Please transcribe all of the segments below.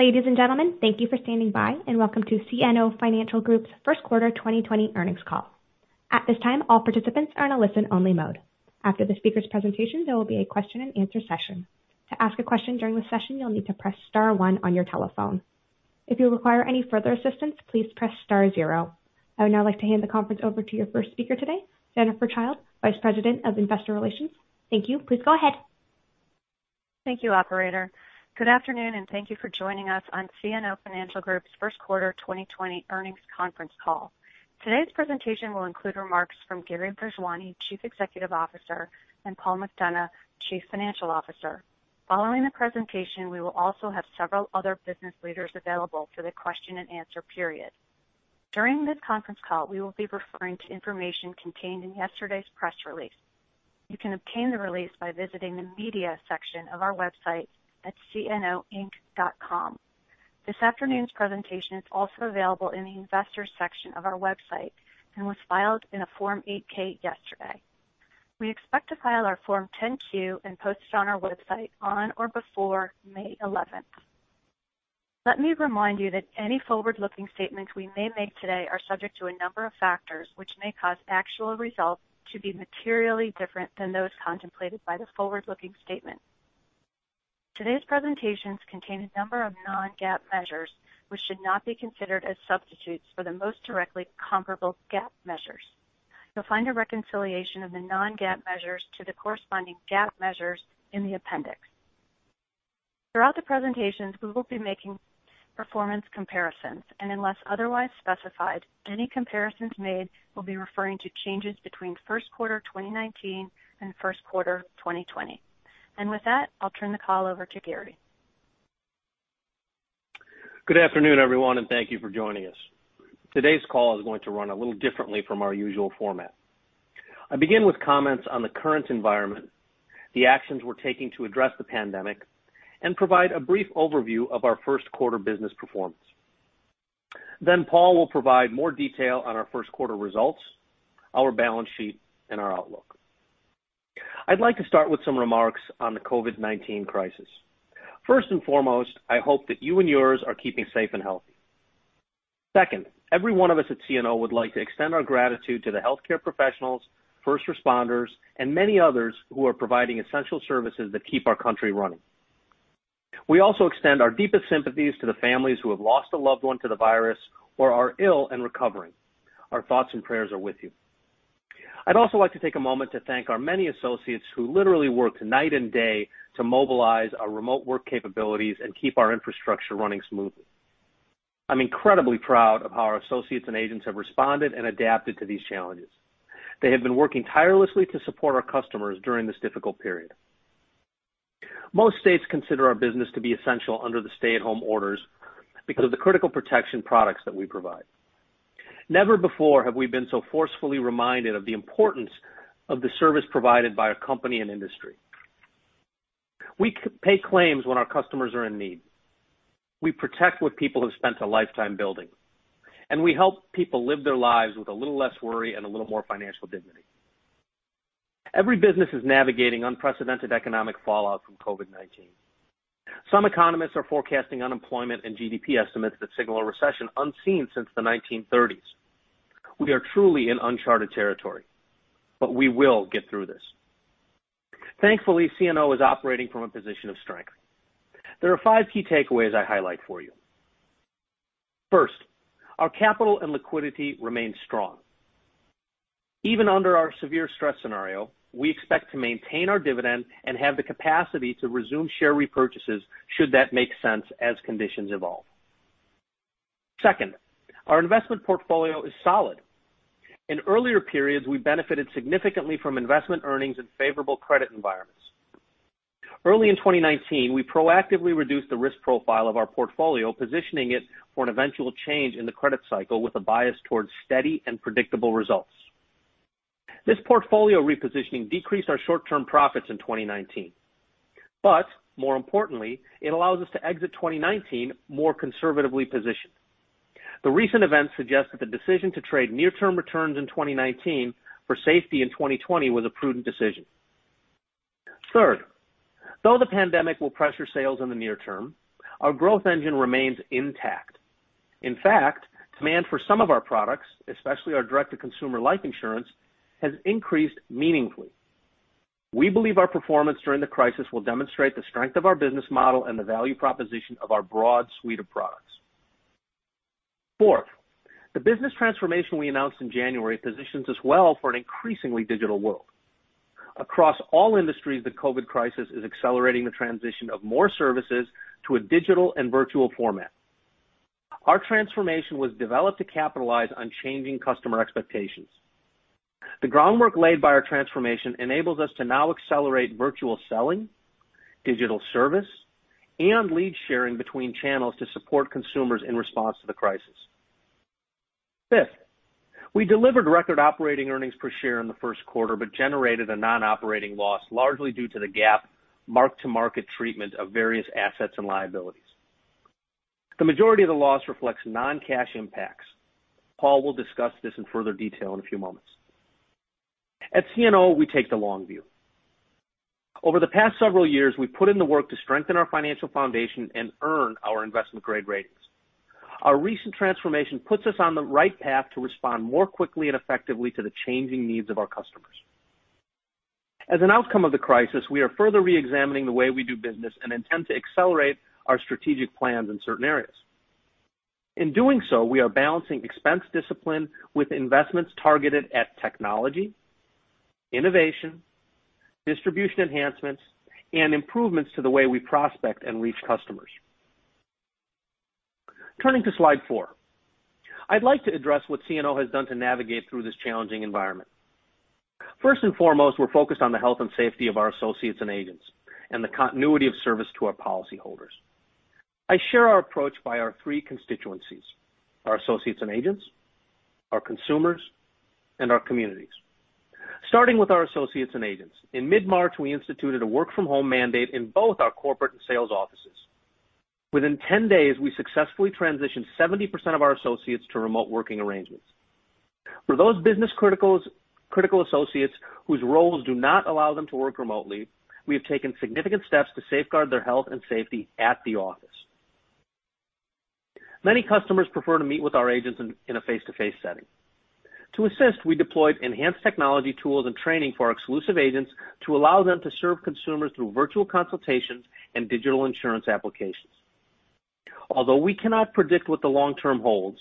Ladies and gentlemen, thank you for standing by and welcome to CNO Financial Group's first quarter 2020 earnings call. At this time, all participants are in a listen only mode. After the speaker's presentation, there will be a question and answer session. To ask a question during the session, you will need to press star one on your telephone. If you require any further assistance, please press star zero. I would now like to hand the conference over to your first speaker today, Jennifer Childe, Vice President of Investor Relations. Thank you. Please go ahead. Thank you, operator. Good afternoon and thank you for joining us on CNO Financial Group's first quarter 2020 earnings conference call. Today's presentation will include remarks from Gary Bhojwani, Chief Executive Officer, and Paul McDonough, Chief Financial Officer. Following the presentation, we will also have several other business leaders available for the question and answer period. During this conference call, we will be referring to information contained in yesterday's press release. You can obtain the release by visiting the media section of our website at cnoinc.com. This afternoon's presentation is also available in the investors section of our website and was filed in a Form 8-K yesterday. We expect to file our Form 10-Q and post it on our website on or before May 11th. Let me remind you that any forward-looking statements we may make today are subject to a number of factors which may cause actual results to be materially different than those contemplated by the forward-looking statement. Today's presentations contain a number of non-GAAP measures which should not be considered as substitutes for the most directly comparable GAAP measures. You will find a reconciliation of the non-GAAP measures to the corresponding GAAP measures in the appendix. Throughout the presentations, we will be making performance comparisons and unless otherwise specified, any comparisons made will be referring to changes between first quarter 2019 and first quarter 2020. With that, I will turn the call over to Gary. Good afternoon, everyone. Thank you for joining us. Today's call is going to run a little differently from our usual format. I begin with comments on the current environment, the actions we are taking to address the pandemic, and provide a brief overview of our first quarter business performance. Paul will provide more detail on our first quarter results, our balance sheet, and our outlook. I would like to start with some remarks on the COVID-19 crisis. First and foremost, I hope that you and yours are keeping safe and healthy. Second, every one of us at CNO would like to extend our gratitude to the healthcare professionals, first responders, and many others who are providing essential services that keep our country running. We also extend our deepest sympathies to the families who have lost a loved one to the virus or are ill and recovering. Our thoughts and prayers are with you. I'd also like to take a moment to thank our many associates who literally worked night and day to mobilize our remote work capabilities and keep our infrastructure running smoothly. I'm incredibly proud of how our associates and agents have responded and adapted to these challenges. They have been working tirelessly to support our customers during this difficult period. Most states consider our business to be essential under the stay-at-home orders because of the critical protection products that we provide. Never before have we been so forcefully reminded of the importance of the service provided by a company and industry. We pay claims when our customers are in need. We protect what people have spent a lifetime building, and we help people live their lives with a little less worry and a little more financial dignity. Every business is navigating unprecedented economic fallout from COVID-19. Some economists are forecasting unemployment and GDP estimates that signal a recession unseen since the 1930s. We are truly in uncharted territory. We will get through this. Thankfully, CNO is operating from a position of strength. There are five key takeaways I highlight for you. First, our capital and liquidity remain strong. Even under our severe stress scenario, we expect to maintain our dividend and have the capacity to resume share repurchases should that make sense as conditions evolve. Second, our investment portfolio is solid. In earlier periods, we benefited significantly from investment earnings and favorable credit environments. Early in 2019, we proactively reduced the risk profile of our portfolio, positioning it for an eventual change in the credit cycle with a bias towards steady and predictable results. This portfolio repositioning decreased our short-term profits in 2019. More importantly, it allows us to exit 2019 more conservatively positioned. The recent events suggest that the decision to trade near-term returns in 2019 for safety in 2020 was a prudent decision. Third, though the pandemic will pressure sales in the near term, our growth engine remains intact. In fact, demand for some of our products, especially our direct-to-consumer life insurance, has increased meaningfully. We believe our performance during the crisis will demonstrate the strength of our business model and the value proposition of our broad suite of products. Fourth, the business transformation we announced in January positions us well for an increasingly digital world. Across all industries, the COVID crisis is accelerating the transition of more services to a digital and virtual format. Our transformation was developed to capitalize on changing customer expectations. The groundwork laid by our transformation enables us to now accelerate virtual selling, digital service, and lead sharing between channels to support consumers in response to the crisis. Fifth, we delivered record operating earnings per share in the first quarter. We generated a non-operating loss largely due to the GAAP mark-to-market treatment of various assets and liabilities. The majority of the loss reflects non-cash impacts. Paul will discuss this in further detail in a few moments. At CNO, we take the long view. Over the past several years, we've put in the work to strengthen our financial foundation and earn our investment-grade ratings. Our recent transformation puts us on the right path to respond more quickly and effectively to the changing needs of our customers. As an outcome of the crisis, we are further re-examining the way we do business and intend to accelerate our strategic plans in certain areas. In doing so, we are balancing expense discipline with investments targeted at technology, innovation, distribution enhancements, and improvements to the way we prospect and reach customers. Turning to slide four. I'd like to address what CNO has done to navigate through this challenging environment. First and foremost, we're focused on the health and safety of our associates and agents and the continuity of service to our policyholders. I share our approach by our three constituencies, our associates and agents, our consumers, and our communities. Starting with our associates and agents. In mid-March, we instituted a work-from-home mandate in both our corporate and sales offices. Within 10 days, we successfully transitioned 70% of our associates to remote working arrangements. For those business-critical associates whose roles do not allow them to work remotely, we have taken significant steps to safeguard their health and safety at the office. Many customers prefer to meet with our agents in a face-to-face setting. To assist, we deployed enhanced technology tools and training for our exclusive agents to allow them to serve consumers through virtual consultations and digital insurance applications. Although we cannot predict what the long term holds,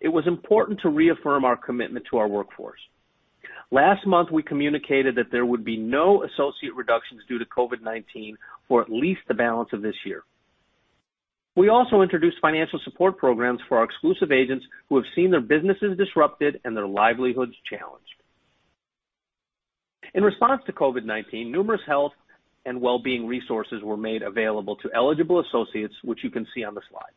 it was important to reaffirm our commitment to our workforce. Last month, we communicated that there would be no associate reductions due to COVID-19 for at least the balance of this year. We also introduced financial support programs for our exclusive agents who have seen their businesses disrupted and their livelihoods challenged. In response to COVID-19, numerous health and wellbeing resources were made available to eligible associates, which you can see on the slide.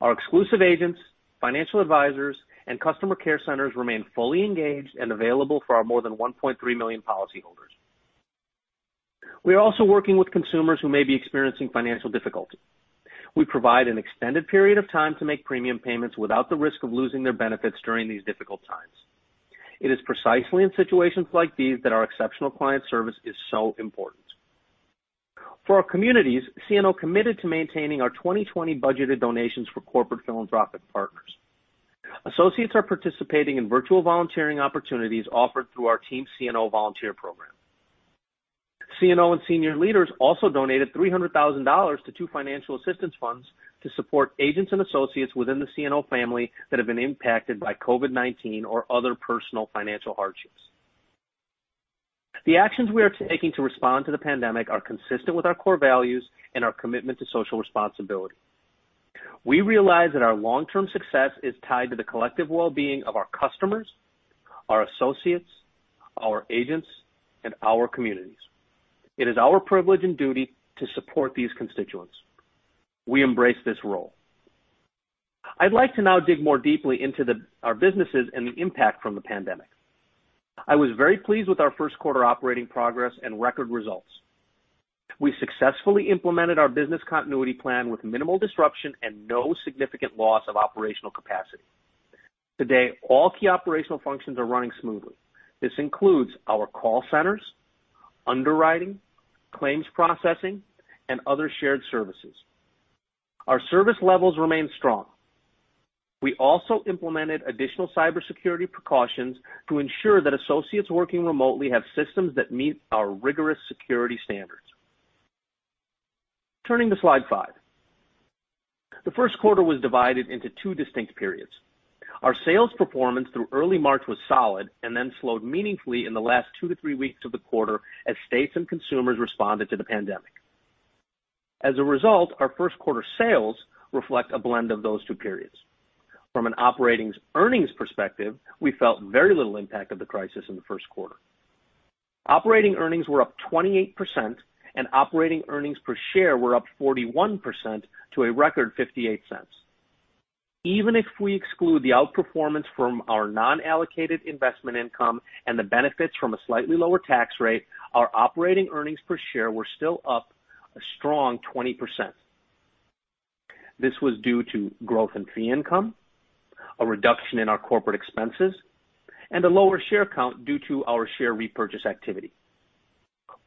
Our exclusive agents, financial advisors, and customer care centers remain fully engaged and available for our more than 1.3 million policyholders. We are also working with consumers who may be experiencing financial difficulty. We provide an extended period of time to make premium payments without the risk of losing their benefits during these difficult times. It is precisely in situations like these that our exceptional client service is so important. For our communities, CNO committed to maintaining our 2020 budgeted donations for corporate philanthropic partners. Associates are participating in virtual volunteering opportunities offered through our Team CNO volunteer program. CNO and senior leaders also donated $300,000 to two financial assistance funds to support agents and associates within the CNO family that have been impacted by COVID-19 or other personal financial hardships. The actions we are taking to respond to the pandemic are consistent with our core values and our commitment to social responsibility. We realize that our long-term success is tied to the collective wellbeing of our customers, our associates, our agents, and our communities. It is our privilege and duty to support these constituents. We embrace this role. I'd like to now dig more deeply into our businesses and the impact from the pandemic. I was very pleased with our first quarter operating progress and record results. We successfully implemented our business continuity plan with minimal disruption and no significant loss of operational capacity. Today, all key operational functions are running smoothly. This includes our call centers, underwriting, claims processing, and other shared services. Our service levels remain strong. We also implemented additional cybersecurity precautions to ensure that associates working remotely have systems that meet our rigorous security standards. Turning to slide five. The first quarter was divided into two distinct periods. Our sales performance through early March was solid and then slowed meaningfully in the last two to three weeks of the quarter as states and consumers responded to the pandemic. As a result, our first quarter sales reflect a blend of those two periods. From an operating earnings perspective, we felt very little impact of the crisis in the first quarter. Operating earnings were up 28%, and operating earnings per share were up 41% to a record $0.58. Even if we exclude the outperformance from our non-allocated investment income and the benefits from a slightly lower tax rate, our operating earnings per share were still up a strong 20%. This was due to growth in fee income, a reduction in our corporate expenses, and a lower share count due to our share repurchase activity.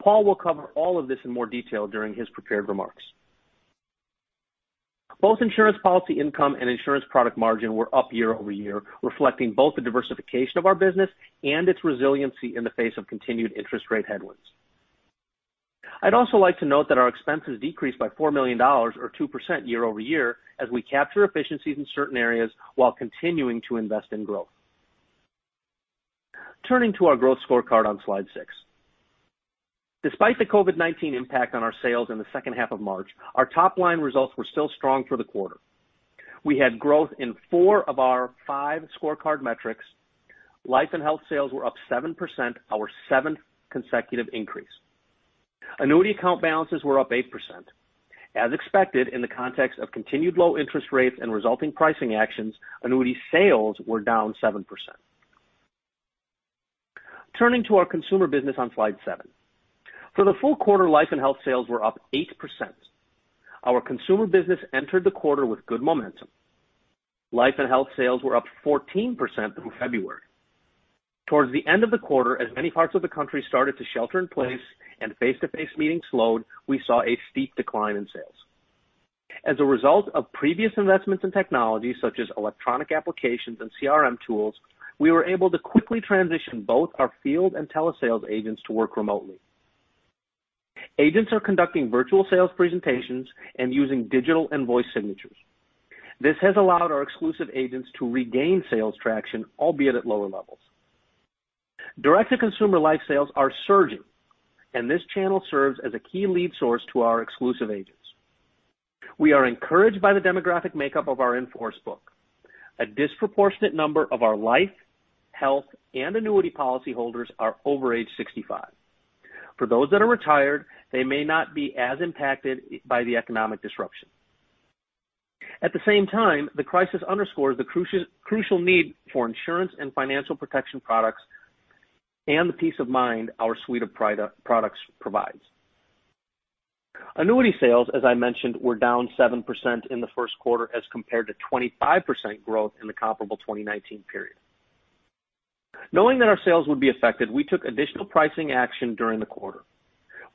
Paul will cover all of this in more detail during his prepared remarks. Both insurance policy income and insurance product margin were up year-over-year, reflecting both the diversification of our business and its resiliency in the face of continued interest rate headwinds. I'd also like to note that our expenses decreased by $4 million, or 2% year-over-year, as we capture efficiencies in certain areas while continuing to invest in growth. Turning to our growth scorecard on slide six. Despite the COVID-19 impact on our sales in the second half of March, our top-line results were still strong for the quarter. We had growth in four of our five scorecard metrics. Life and health sales were up 7%, our seventh consecutive increase. Annuity account balances were up 8%. As expected, in the context of continued low interest rates and resulting pricing actions, annuity sales were down 7%. Turning to our consumer business on slide seven. For the full quarter, life and health sales were up 8%. Our consumer business entered the quarter with good momentum. Life and health sales were up 14% through February. Towards the end of the quarter, as many parts of the country started to shelter in place and face-to-face meetings slowed, we saw a steep decline in sales. As a result of previous investments in technology, such as electronic applications and CRM tools, we were able to quickly transition both our field and telesales agents to work remotely. Agents are conducting virtual sales presentations and using digital and voice signatures. This has allowed our exclusive agents to regain sales traction, albeit at lower levels. Direct-to-consumer life sales are surging, and this channel serves as a key lead source to our exclusive agents. We are encouraged by the demographic makeup of our in-force book. A disproportionate number of our life, health, and annuity policyholders are over age 65. For those that are retired, they may not be as impacted by the economic disruption. At the same time, the crisis underscores the crucial need for insurance and financial protection products and the peace of mind our suite of products provides. Annuity sales, as I mentioned, were down 7% in the first quarter as compared to 25% growth in the comparable 2019 period. Knowing that our sales would be affected, we took additional pricing action during the quarter.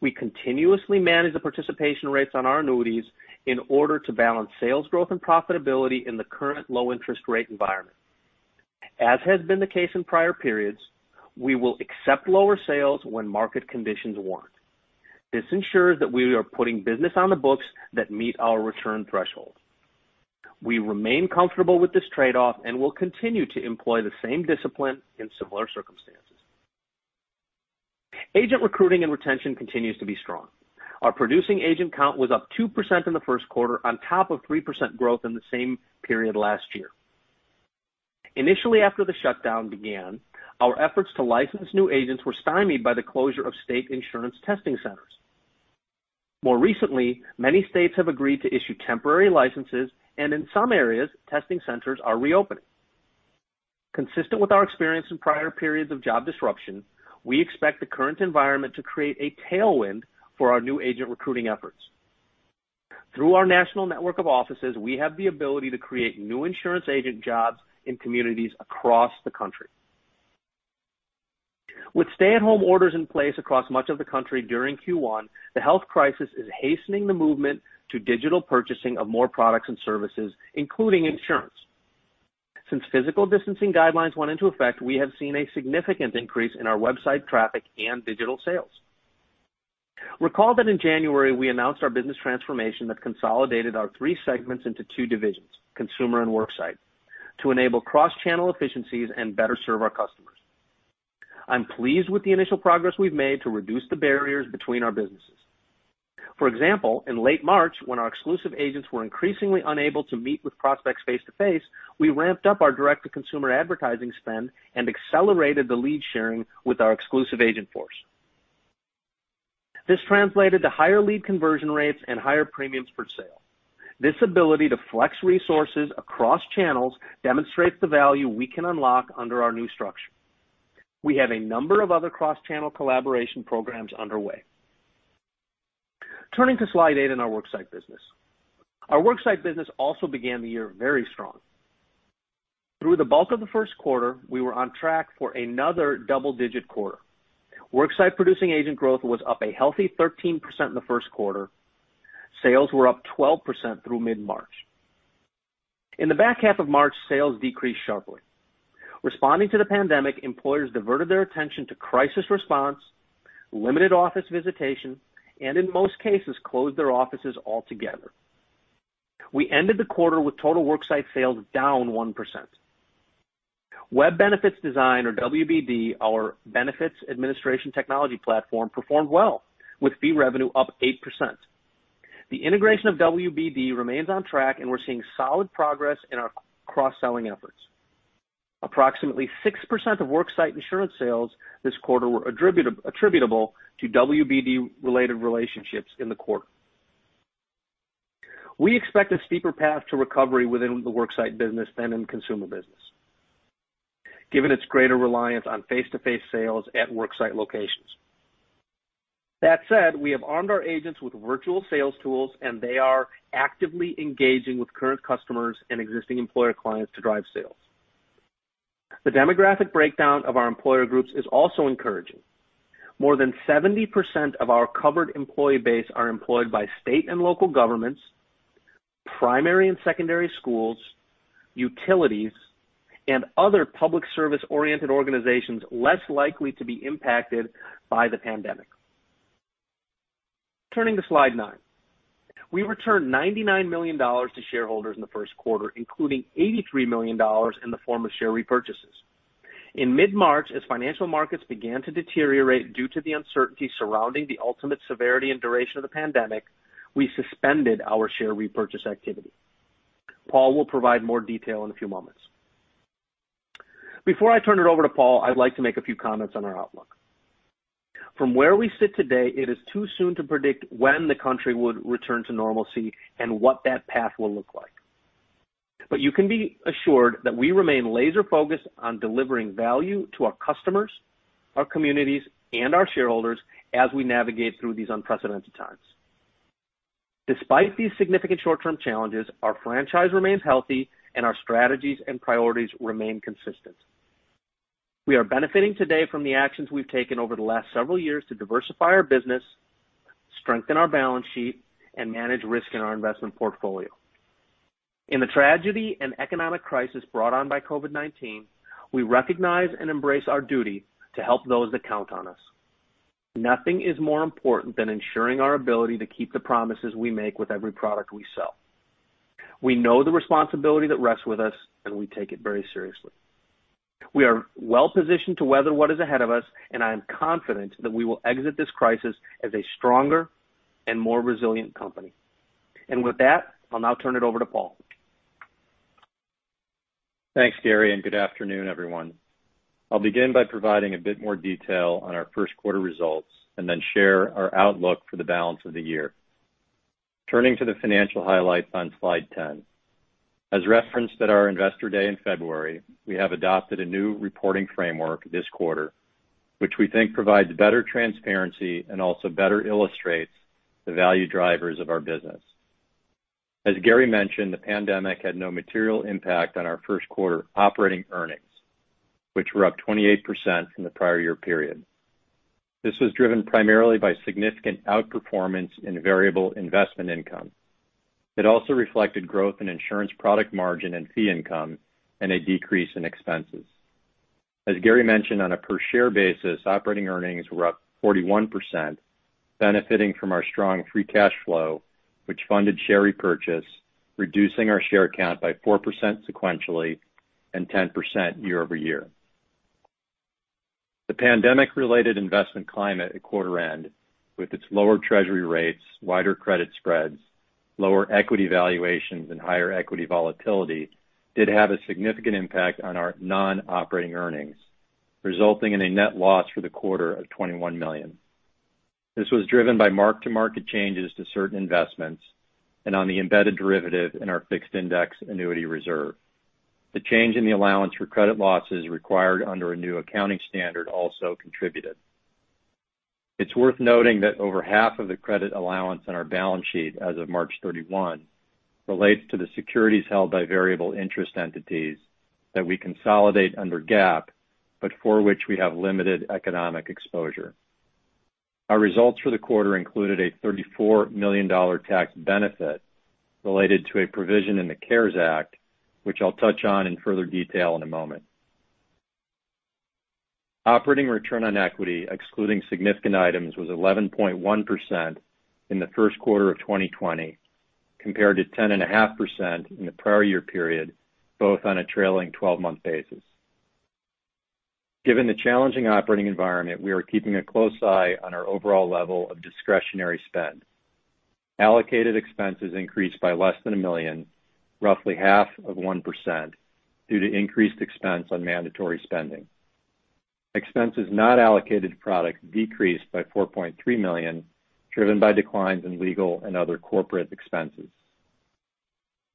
We continuously manage the participation rates on our annuities in order to balance sales growth and profitability in the current low interest rate environment. As has been the case in prior periods, we will accept lower sales when market conditions warrant. This ensures that we are putting business on the books that meet our return threshold. We remain comfortable with this trade-off and will continue to employ the same discipline in similar circumstances. Agent recruiting and retention continues to be strong. Our producing agent count was up 2% in the first quarter on top of 3% growth in the same period last year. Initially after the shutdown began, our efforts to license new agents were stymied by the closure of state insurance testing centers. More recently, many states have agreed to issue temporary licenses, and in some areas, testing centers are reopening. Consistent with our experience in prior periods of job disruption, we expect the current environment to create a tailwind for our new agent recruiting efforts. Through our national network of offices, we have the ability to create new insurance agent jobs in communities across the country. With stay-at-home orders in place across much of the country during Q1, the health crisis is hastening the movement to digital purchasing of more products and services, including insurance. Since physical distancing guidelines went into effect, we have seen a significant increase in our website traffic and digital sales. Recall that in January, we announced our business transformation that consolidated our three segments into two divisions, consumer and worksite, to enable cross-channel efficiencies and better serve our customers. I'm pleased with the initial progress we've made to reduce the barriers between our businesses. For example, in late March, when our exclusive agents were increasingly unable to meet with prospects face to face, we ramped up our direct-to-consumer advertising spend and accelerated the lead sharing with our exclusive agent force. This translated to higher lead conversion rates and higher premiums per sale. This ability to flex resources across channels demonstrates the value we can unlock under our new structure. We have a number of other cross-channel collaboration programs underway. Turning to slide eight in our worksite business. Our worksite business also began the year very strong. Through the bulk of the first quarter, we were on track for another double-digit quarter. Worksite producing agent growth was up a healthy 13% in the first quarter. Sales were up 12% through mid-March. In the back half of March, sales decreased sharply. Responding to the pandemic, employers diverted their attention to crisis response, limited office visitation, in most cases, closed their offices altogether. We ended the quarter with total worksite sales down 1%. Web Benefits Design or WBD, our benefits administration technology platform, performed well with fee revenue up 8%. The integration of WBD remains on track, we're seeing solid progress in our cross-selling efforts. Approximately 6% of worksite insurance sales this quarter were attributable to WBD-related relationships in the quarter. We expect a steeper path to recovery within the worksite business than in consumer business, given its greater reliance on face-to-face sales at worksite locations. That said, we have armed our agents with virtual sales tools, they are actively engaging with current customers and existing employer clients to drive sales. The demographic breakdown of our employer groups is also encouraging. More than 70% of our covered employee base are employed by state and local governments, primary and secondary schools, utilities, and other public service-oriented organizations less likely to be impacted by the pandemic. Turning to slide nine. We returned $99 million to shareholders in the first quarter, including $83 million in the form of share repurchases. In mid-March, as financial markets began to deteriorate due to the uncertainty surrounding the ultimate severity and duration of the pandemic, we suspended our share repurchase activity. Paul will provide more detail in a few moments. Before I turn it over to Paul, I'd like to make a few comments on our outlook. From where we sit today, it is too soon to predict when the country would return to normalcy and what that path will look like. You can be assured that we remain laser-focused on delivering value to our customers, our communities, and our shareholders as we navigate through these unprecedented times. Despite these significant short-term challenges, our franchise remains healthy and our strategies and priorities remain consistent. We are benefiting today from the actions we've taken over the last several years to diversify our business, strengthen our balance sheet, and manage risk in our investment portfolio. In the tragedy and economic crisis brought on by COVID-19, we recognize and embrace our duty to help those that count on us. Nothing is more important than ensuring our ability to keep the promises we make with every product we sell. We know the responsibility that rests with us, and we take it very seriously. We are well-positioned to weather what is ahead of us, and I am confident that we will exit this crisis as a stronger and more resilient company. With that, I'll now turn it over to Paul. Thanks, Gary, and good afternoon, everyone. I'll begin by providing a bit more detail on our first quarter results. Then share our outlook for the balance of the year. Turning to the financial highlights on slide 10. As referenced at our Investor Day in February, we have adopted a new reporting framework this quarter, which we think provides better transparency and also better illustrates the value drivers of our business. As Gary mentioned, the pandemic had no material impact on our first quarter operating earnings, which were up 28% from the prior year period. This was driven primarily by significant outperformance in variable investment income. It also reflected growth in insurance product margin and fee income, and a decrease in expenses. As Gary mentioned, on a per-share basis, operating earnings were up 41%, benefiting from our strong free cash flow, which funded share repurchase, reducing our share count by 4% sequentially and 10% year-over-year. The pandemic-related investment climate at quarter end with its lower Treasury rates, wider credit spreads, lower equity valuations, and higher equity volatility, did have a significant impact on our non-operating earnings, resulting in a net loss for the quarter of $21 million. This was driven by mark-to-market changes to certain investments and on the embedded derivative in our fixed indexed annuity reserve. The change in the allowance for credit losses required under a new accounting standard also contributed. It's worth noting that over half of the credit allowance on our balance sheet as of March 31 relates to the securities held by variable interest entities that we consolidate under GAAP, but for which we have limited economic exposure. Our results for the quarter included a $34 million tax benefit related to a provision in the CARES Act, which I'll touch on in further detail in a moment. Operating return on equity, excluding significant items, was 11.1% in the first quarter of 2020 compared to 10.5% in the prior year period, both on a trailing 12-month basis. Given the challenging operating environment, we are keeping a close eye on our overall level of discretionary spend. Allocated expenses increased by less than $1 million, roughly half of 1%, due to increased expense on mandatory spending. Expenses not allocated to product decreased by $4.3 million, driven by declines in legal and other corporate expenses.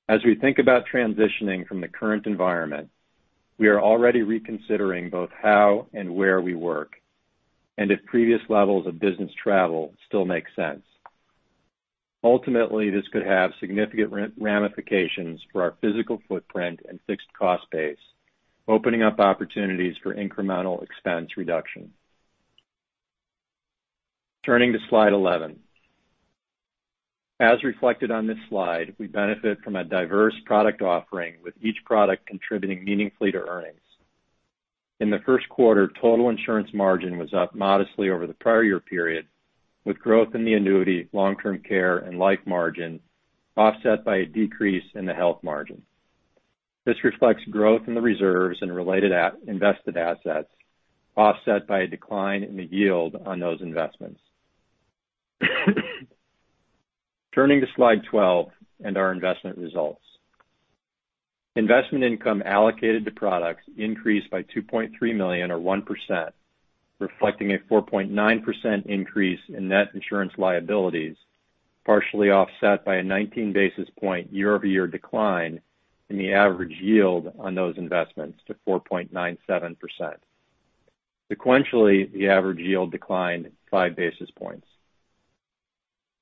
As we think about transitioning from the current environment, we are already reconsidering both how and where we work, and if previous levels of business travel still make sense. Ultimately, this could have significant ramifications for our physical footprint and fixed cost base, opening up opportunities for incremental expense reduction. Turning to slide 11. As reflected on this slide, we benefit from a diverse product offering, with each product contributing meaningfully to earnings. In the first quarter, total insurance margin was up modestly over the prior year period, with growth in the annuity, long-term care, and life margin offset by a decrease in the health margin. This reflects growth in the reserves and related invested assets, offset by a decline in the yield on those investments. Turning to slide 12 and our investment results. Investment income allocated to products increased by $2.3 million, or 1%, reflecting a 4.9% increase in net insurance liabilities, partially offset by a 19-basis-point year-over-year decline in the average yield on those investments to 4.97%. Sequentially, the average yield declined five basis points.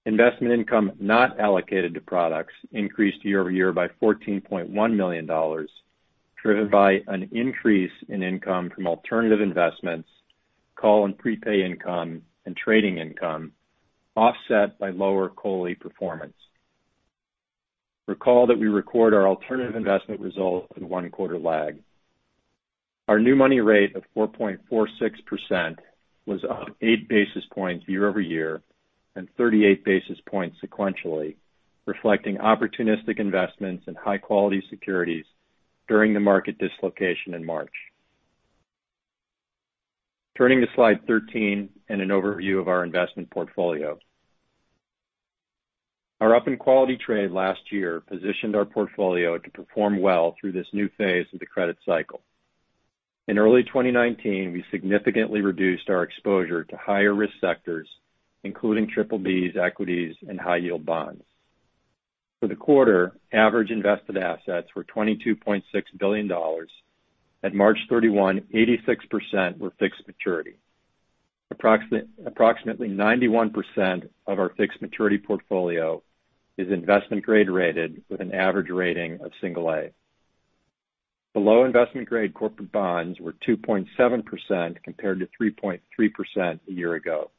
Investment income not allocated to products increased year-over-year by $14.1 million, driven by an increase in income from alternative investments, call and prepay income, and trading income, offset by lower COLI performance. Recall that we record our alternative investment results with one quarter lag. Our new money rate of 4.46% was up eight basis points year-over-year and 38 basis points sequentially, reflecting opportunistic investments in high-quality securities during the market dislocation in March. Turning to slide 13 and an overview of our investment portfolio. Our up-in-quality trade last year positioned our portfolio to perform well through this new phase of the credit cycle. In early 2019, we significantly reduced our exposure to higher-risk sectors, including BBBs, equities, and high-yield bonds. For the quarter, average invested assets were $22.6 billion. At March 31, 86% were fixed maturity. Approximately 91% of our fixed maturity portfolio is investment grade rated with an average rating of single A. The low investment-grade corporate bonds were 2.7% compared to 3.3% a year ago.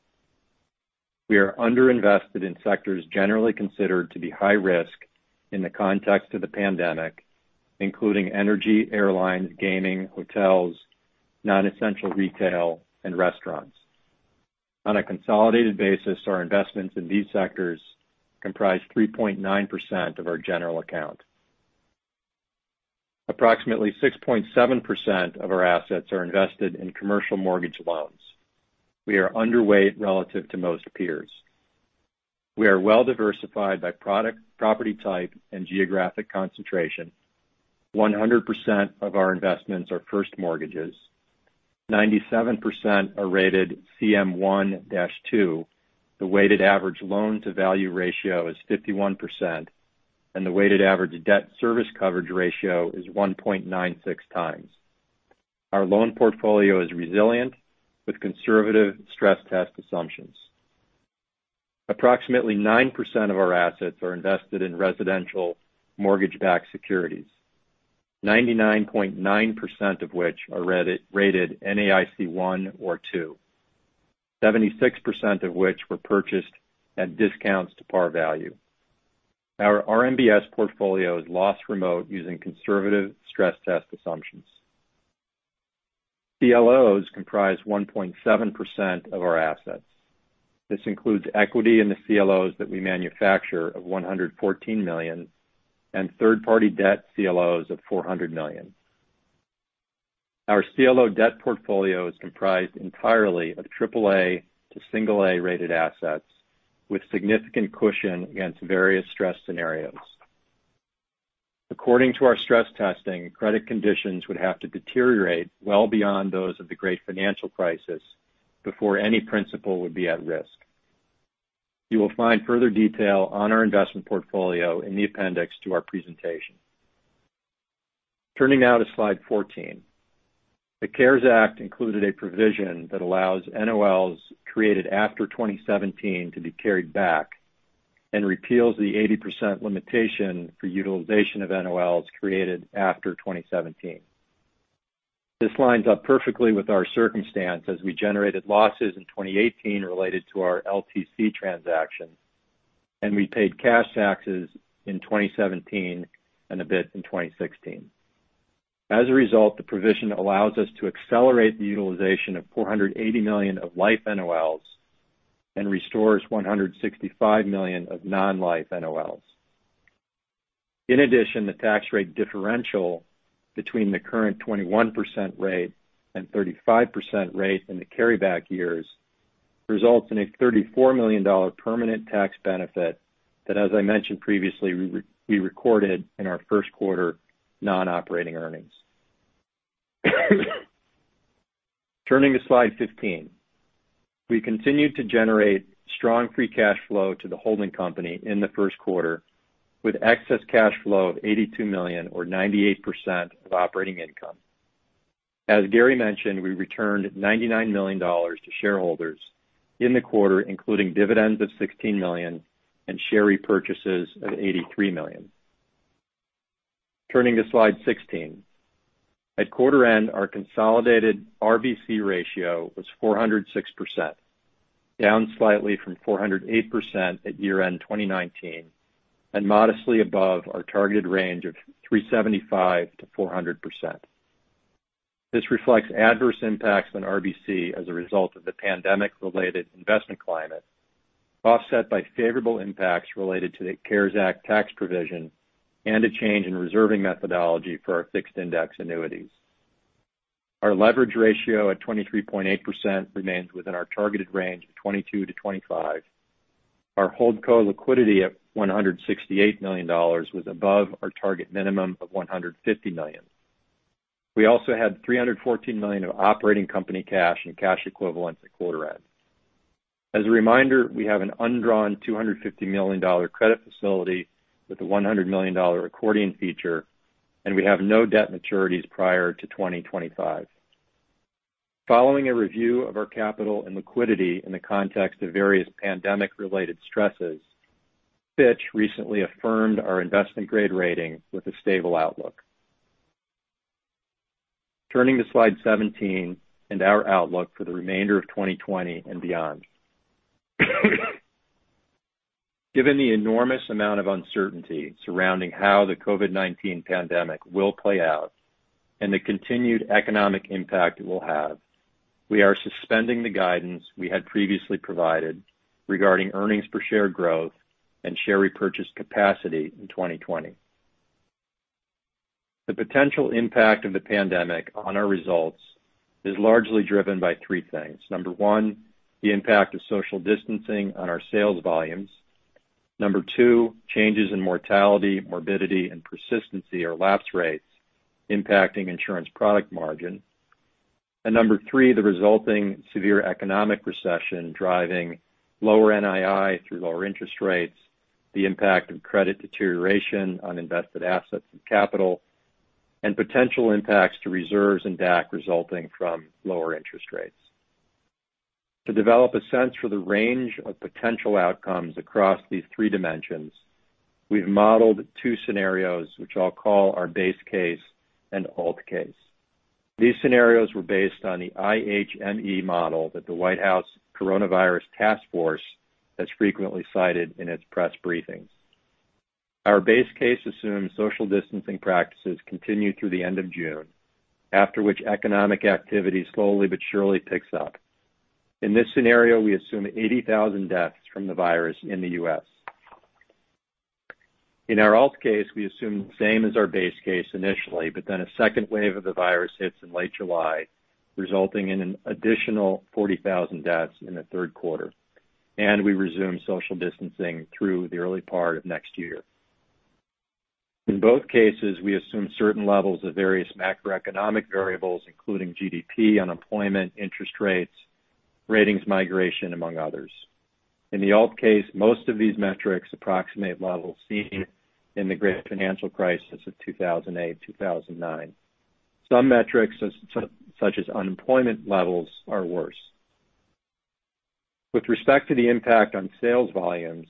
We are under-invested in sectors generally considered to be high risk in the context of the pandemic, including energy, airlines, gaming, hotels, non-essential retail, and restaurants. On a consolidated basis, our investments in these sectors comprise 3.9% of our general account. Approximately 6.7% of our assets are invested in commercial mortgage loans. We are underweight relative to most peers. We are well-diversified by product, property type, and geographic concentration. 100% of our investments are first mortgages. 97% are rated CM1-2. The weighted average loan-to-value ratio is 51%, and the weighted average debt service coverage ratio is 1.96 times. Our loan portfolio is resilient with conservative stress test assumptions. Approximately 9% of our assets are invested in residential mortgage-backed securities, 99.9% of which are rated NAIC 1 or 2. 76% of which were purchased at discounts to par value. Our RMBS portfolio is loss remote using conservative stress test assumptions. CLOs comprise 1.7% of our assets. This includes equity in the CLOs that we manufacture of $114 million and third-party debt CLOs of $400 million. Our CLO debt portfolio is comprised entirely of triple A to single A-rated assets with significant cushion against various stress scenarios. According to our stress testing, credit conditions would have to deteriorate well beyond those of the great financial crisis before any principal would be at risk. You will find further detail on our investment portfolio in the appendix to our presentation. Turning now to slide 14. The CARES Act included a provision that allows NOLs created after 2017 to be carried back and repeals the 80% limitation for utilization of NOLs created after 2017. This lines up perfectly with our circumstance as we generated losses in 2018 related to our LTC transaction, and we paid cash taxes in 2017 and a bit in 2016. As a result, the provision allows us to accelerate the utilization of $480 million of life NOLs and restores $165 million of non-life NOLs. In addition, the tax rate differential between the current 21% rate and 35% rate in the carryback years results in a $34 million permanent tax benefit that, as I mentioned previously, we recorded in our first quarter non-operating earnings. Turning to slide 15. We continued to generate strong free cash flow to the holding company in the first quarter with excess cash flow of $82 million or 98% of operating income. As Gary mentioned, we returned $99 million to shareholders in the quarter, including dividends of $16 million and share repurchases of $83 million. Turning to slide 16. At quarter end, our consolidated RBC ratio was 406%, down slightly from 408% at year-end 2019, and modestly above our targeted range of 375%-400%. This reflects adverse impacts on RBC as a result of the pandemic-related investment climate, offset by favorable impacts related to the CARES Act tax provision and a change in reserving methodology for our fixed index annuities. Our leverage ratio at 23.8% remains within our targeted range of 22%-25%. Our holdco liquidity at $168 million was above our target minimum of $150 million. We also had $314 million of operating company cash and cash equivalents at quarter end. As a reminder, we have an undrawn $250 million credit facility with a $100 million accordion feature, and we have no debt maturities prior to 2025. Following a review of our capital and liquidity in the context of various pandemic-related stresses, Fitch recently affirmed our investment grade rating with a stable outlook. Turning to slide 17 and our outlook for the remainder of 2020 and beyond. Given the enormous amount of uncertainty surrounding how the COVID-19 pandemic will play out and the continued economic impact it will have, we are suspending the guidance we had previously provided regarding earnings per share growth and share repurchase capacity in 2020. The potential impact of the pandemic on our results is largely driven by three things. Number one, the impact of social distancing on our sales volumes. Number two, changes in mortality, morbidity, and persistency or lapse rates impacting insurance product margin. Number three, the resulting severe economic recession driving lower NII through lower interest rates, the impact of credit deterioration on invested assets and capital, and potential impacts to reserves and DAC resulting from lower interest rates. To develop a sense for the range of potential outcomes across these three dimensions, we've modeled two scenarios, which I'll call our base case and alt case. These scenarios were based on the IHME model that the White House Coronavirus Task Force has frequently cited in its press briefings. Our base case assumes social distancing practices continue through the end of June, after which economic activity slowly but surely picks up. In this scenario, we assume 80,000 deaths from the virus in the U.S. In our alt case, we assume the same as our base case initially, but then a second wave of the virus hits in late July, resulting in an additional 40,000 deaths in the third quarter, and we resume social distancing through the early part of next year. In both cases, we assume certain levels of various macroeconomic variables, including GDP, unemployment, interest rates, ratings migration, among others. In the alt case, most of these metrics approximate levels seen in the great financial crisis of 2008, 2009. Some metrics, such as unemployment levels, are worse. With respect to the impact on sales volumes,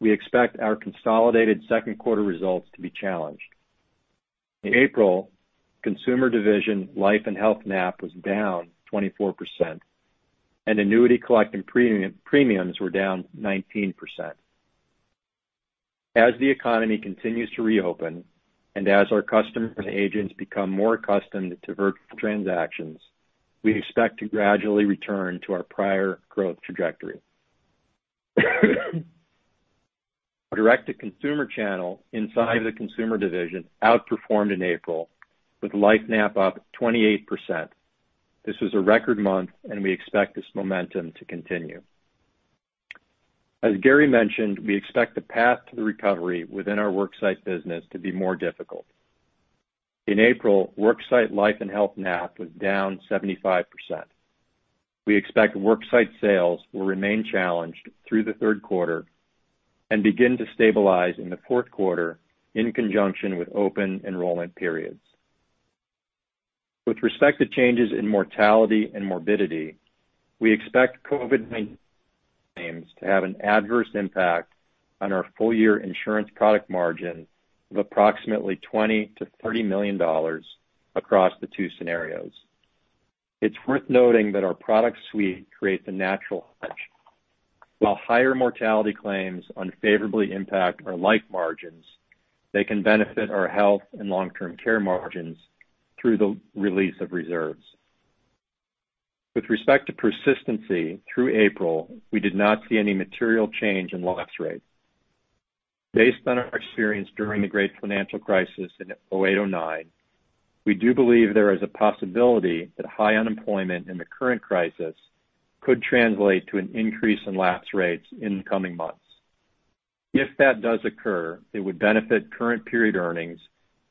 we expect our consolidated second quarter results to be challenged. In April, consumer division life and health NAP was down 24%, and annuity collecting premiums were down 19%. As the economy continues to reopen, as our customers and agents become more accustomed to virtual transactions, we expect to gradually return to our prior growth trajectory. Our direct-to-consumer channel inside the consumer division outperformed in April with life NAP up 28%. This was a record month and we expect this momentum to continue. As Gary mentioned, we expect the path to the recovery within our worksite business to be more difficult. In April, worksite life and health NAP was down 75%. We expect worksite sales will remain challenged through the third quarter and begin to stabilize in the fourth quarter in conjunction with open enrollment periods. With respect to changes in mortality and morbidity, we expect COVID-19 claims to have an adverse impact on our full-year insurance product margin of approximately $20 million-$30 million across the two scenarios. It's worth noting that our product suite creates a natural hedge. While higher mortality claims unfavorably impact our life margins, they can benefit our health and long-term care margins through the release of reserves. With respect to persistency through April, we did not see any material change in lapse rates. Based on our experience during the great financial crisis in 2008, 2009, we do believe there is a possibility that high unemployment in the current crisis could translate to an increase in lapse rates in the coming months. If that does occur, it would benefit current period earnings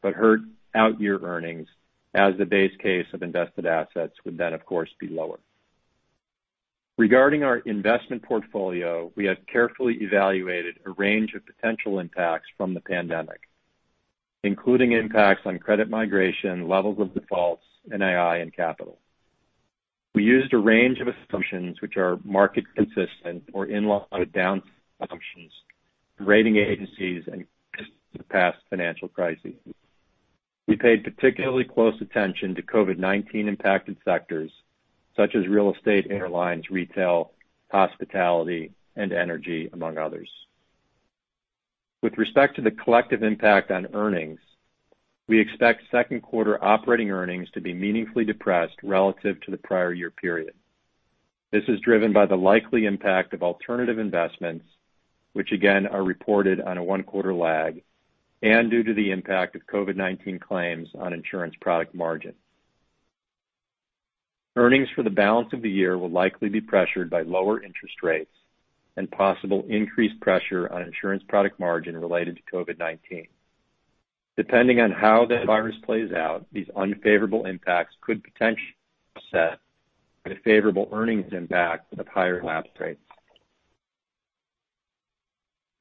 but hurt out-year earnings as the base case of invested assets would then of course be lower. Regarding our investment portfolio, we have carefully evaluated a range of potential impacts from the pandemic, including impacts on credit migration, levels of defaults, NII, and capital. We used a range of assumptions which are market consistent or in line with down assumptions from rating agencies and past financial crises. We paid particularly close attention to COVID-19 impacted sectors such as real estate, airlines, retail, hospitality, and energy, among others. With respect to the collective impact on earnings, we expect second quarter operating earnings to be meaningfully depressed relative to the prior year period. This is driven by the likely impact of alternative investments, which again, are reported on a one-quarter lag, and due to the impact of COVID-19 claims on insurance product margin. Earnings for the balance of the year will likely be pressured by lower interest rates and possible increased pressure on insurance product margin related to COVID-19. Depending on how the virus plays out, these unfavorable impacts could potentially offset the favorable earnings impact of higher lapse rates.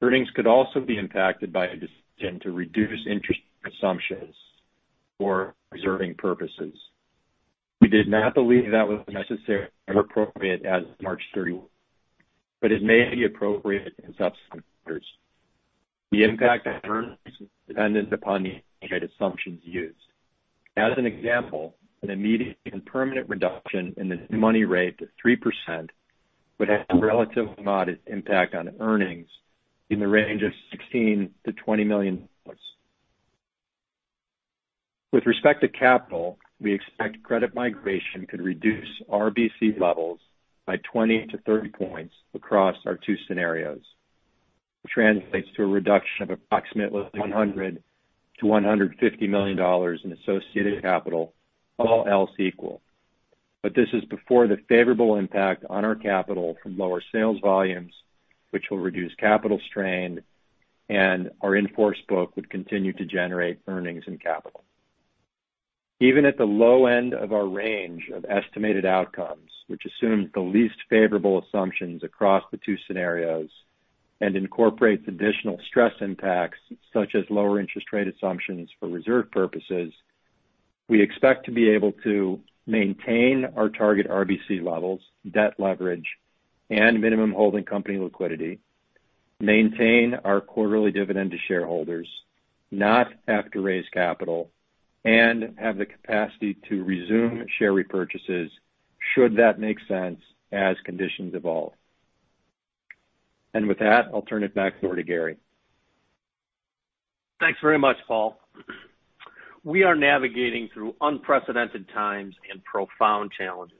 Earnings could also be impacted by a decision to reduce interest rate assumptions for reserving purposes. We did not believe that was necessary or appropriate as of March 31, but it may be appropriate in subsequent years. The impact on earnings is dependent upon the assumed rate assumptions used. As an example, an immediate and permanent reduction in the new money rate to 3% would have a relatively modest impact on earnings in the range of $16 million-$20 million. With respect to capital, we expect credit migration could reduce RBC levels by 20 to 30 points across our two scenarios, which translates to a reduction of approximately $100 million-$150 million in associated capital, all else equal. This is before the favorable impact on our capital from lower sales volumes, which will reduce capital strain and our in-force book would continue to generate earnings and capital. Even at the low end of our range of estimated outcomes, which assumes the least favorable assumptions across the two scenarios and incorporates additional stress impacts such as lower interest rate assumptions for reserve purposes, we expect to be able to maintain our target RBC levels, debt leverage, and minimum holding company liquidity, maintain our quarterly dividend to shareholders, not have to raise capital, and have the capacity to resume share repurchases should that make sense as conditions evolve. With that, I'll turn it back over to Gary. Thanks very much, Paul. We are navigating through unprecedented times and profound challenges.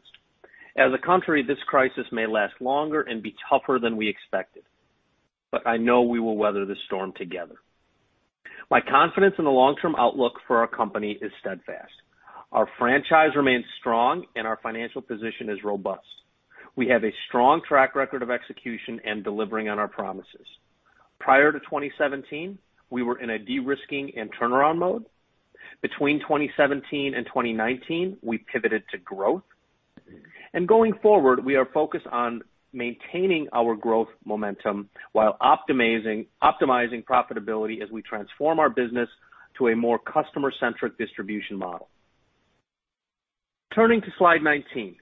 As a country, this crisis may last longer and be tougher than we expected, but I know we will weather this storm together. My confidence in the long-term outlook for our company is steadfast. Our franchise remains strong, and our financial position is robust. We have a strong track record of execution and delivering on our promises. Prior to 2017, we were in a de-risking and turnaround mode. Between 2017 and 2019, we pivoted to growth. Going forward, we are focused on maintaining our growth momentum while optimizing profitability as we transform our business to a more customer-centric distribution model. Turning to slide 19.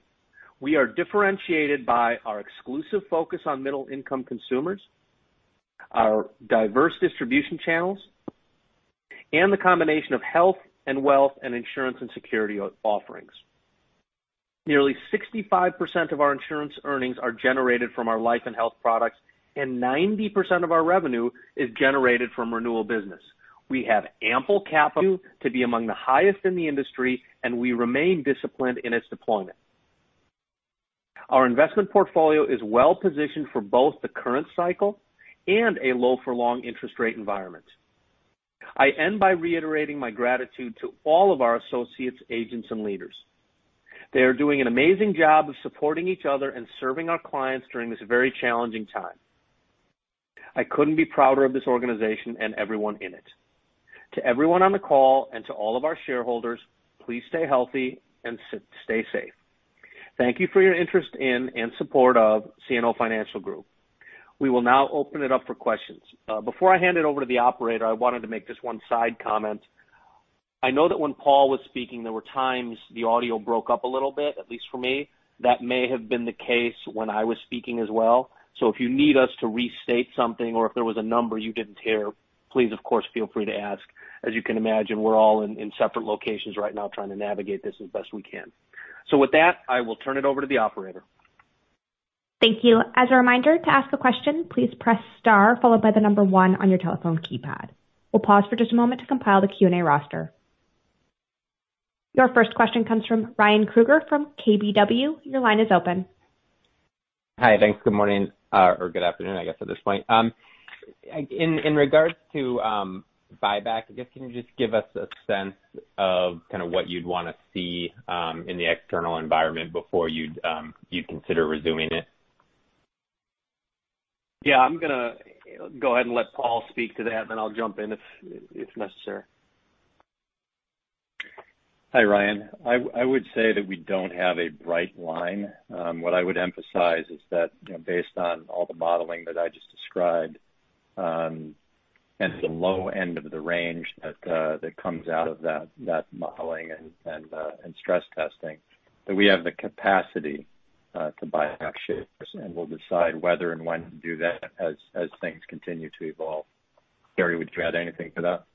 We are differentiated by our exclusive focus on middle-income consumers, our diverse distribution channels, and the combination of health and wealth and insurance and security offerings. Nearly 65% of our insurance earnings are generated from our life and health products, and 90% of our revenue is generated from renewal business. We have ample capital to be among the highest in the industry, and we remain disciplined in its deployment. Our investment portfolio is well-positioned for both the current cycle and a low-for-long interest rate environment. I end by reiterating my gratitude to all of our associates, agents, and leaders. They are doing an amazing job of supporting each other and serving our clients during this very challenging time. I couldn't be prouder of this organization and everyone in it. To everyone on the call and to all of our shareholders, please stay healthy and stay safe. Thank you for your interest in and support of CNO Financial Group. We will now open it up for questions. Before I hand it over to the operator, I wanted to make just one side comment. I know that when Paul was speaking, there were times the audio broke up a little bit, at least for me. That may have been the case when I was speaking as well. If you need us to restate something or if there was a number you didn't hear, please, of course, feel free to ask. As you can imagine, we're all in separate locations right now trying to navigate this as best we can. With that, I will turn it over to the operator. Thank you. As a reminder, to ask a question, please press star followed by the number 1 on your telephone keypad. We'll pause for just a moment to compile the Q&A roster. Your first question comes from Ryan Krueger from KBW. Your line is open. Hi. Thanks. Good morning, or good afternoon, I guess, at this point. In regards to buyback, I guess, can you just give us a sense of what you'd want to see in the external environment before you'd consider resuming it? Yeah, I'm going to go ahead and let Paul speak to that, then I'll jump in if necessary. Hi, Ryan. I would say that we don't have a bright line. What I would emphasize is that based on all the modeling that I just described and the low end of the range that comes out of that modeling and stress testing, that we have the capacity to buy back shares, and we'll decide whether and when to do that as things continue to evolve. Gary, would you add anything to that?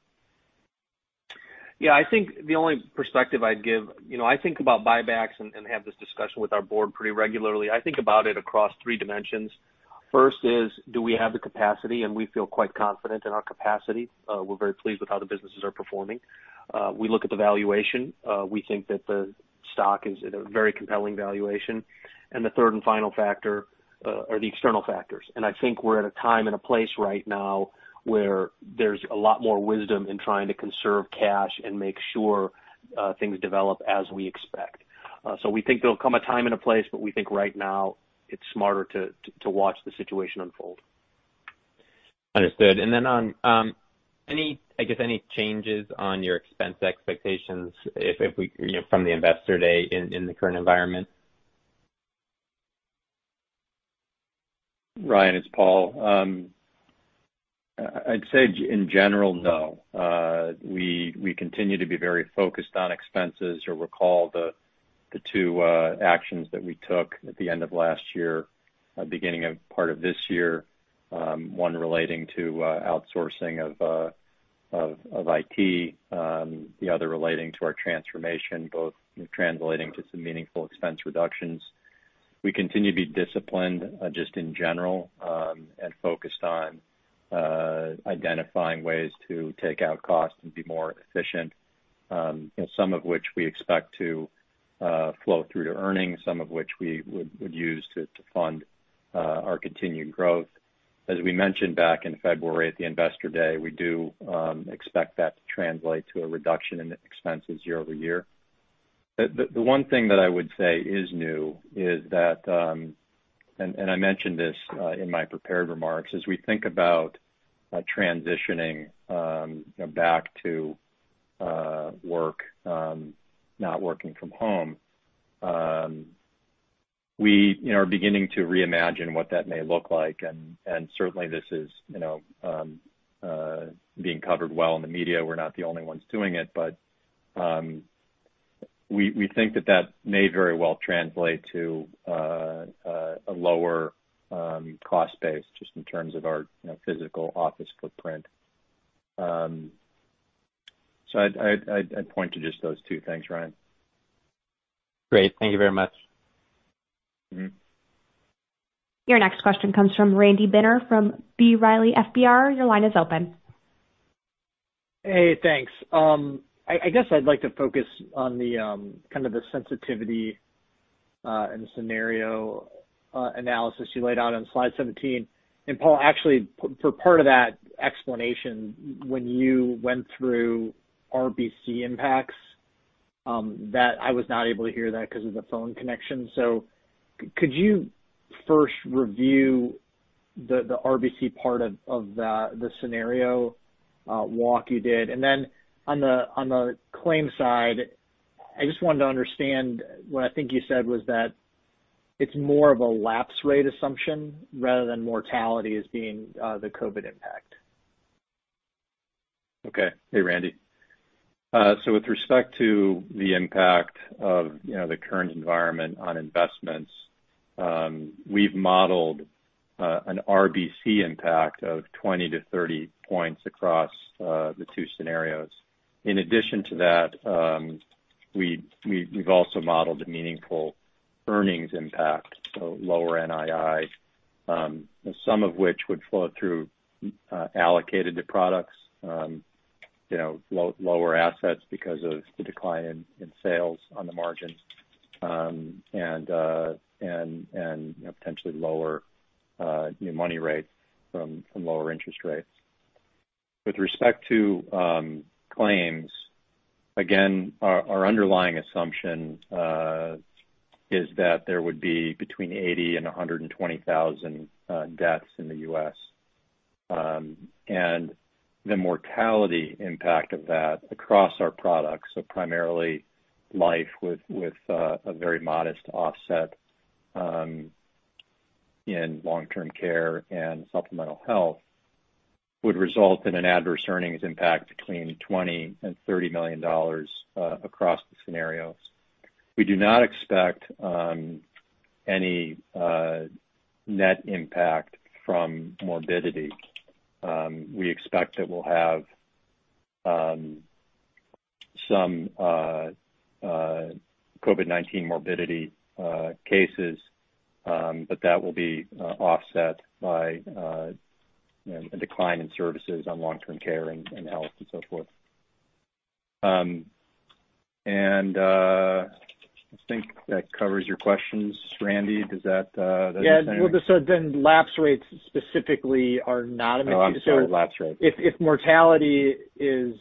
Yeah, I think the only perspective I'd give, I think about buybacks and have this discussion with our board pretty regularly. I think about it across three dimensions. First is, do we have the capacity? We feel quite confident in our capacity. We're very pleased with how the businesses are performing. We look at the valuation. We think that the stock is at a very compelling valuation. The third and final factor are the external factors. I think we're at a time and a place right now where there's a lot more wisdom in trying to conserve cash and make sure things develop as we expect. We think there'll come a time and a place, but we think right now it's smarter to watch the situation unfold. Understood. On any changes on your expense expectations from the Investor Day in the current environment? Ryan, it's Paul. I'd say in general, no. We continue to be very focused on expenses. You'll recall the two actions that we took at the end of last year, beginning of part of this year, one relating to outsourcing of IT, the other relating to our transformation, both translating to some meaningful expense reductions. We continue to be disciplined just in general and focused on identifying ways to take out costs and be more efficient, some of which we expect to flow through to earnings, some of which we would use to fund our continued growth. As we mentioned back in February at the Investor Day, we do expect that to translate to a reduction in expenses year-over-year. The one thing that I would say is new is that, I mentioned this in my prepared remarks, as we think about transitioning back to work, not working from home, we are beginning to reimagine what that may look like. Certainly this is being covered well in the media. We're not the only ones doing it, but we think that that may very well translate to a lower cost base just in terms of our physical office footprint. I'd point to just those two things, Ryan. Great. Thank you very much. Your next question comes from Randy Binner from B. Riley FBR. Your line is open. Hey, thanks. I guess I'd like to focus on the kind of the sensitivity and the scenario analysis you laid out on slide 17. Paul, actually, for part of that explanation, when you went through RBC impacts, I was not able to hear that because of the phone connection. Could you first review the RBC part of the scenario walk you did? Then on the claims side, I just wanted to understand, what I think you said was that it's more of a lapse rate assumption rather than mortality as being the COVID impact. Okay. Hey, Randy. With respect to the impact of the current environment on investments, we've modeled an RBC impact of 20-30 points across the two scenarios. In addition to that, we've also modeled a meaningful earnings impact, lower NII, some of which would flow through allocated to products, lower assets because of the decline in sales on the margins, and potentially lower money rates from lower interest rates. With respect to claims, again, our underlying assumption is that there would be between 80,000 and 120,000 deaths in the U.S. The mortality impact of that across our products, primarily life with a very modest offset in long-term care and supplemental health, would result in an adverse earnings impact between $20 million-$30 million across the scenarios. We do not expect any net impact from morbidity. We expect that we'll have some COVID-19 morbidity cases, but that will be offset by a decline in services on long-term care and health and so forth. I think that covers your questions, Randy. Yeah. Well, lapse rates specifically are not a material No, I'm sorry. Lapse rates. If mortality is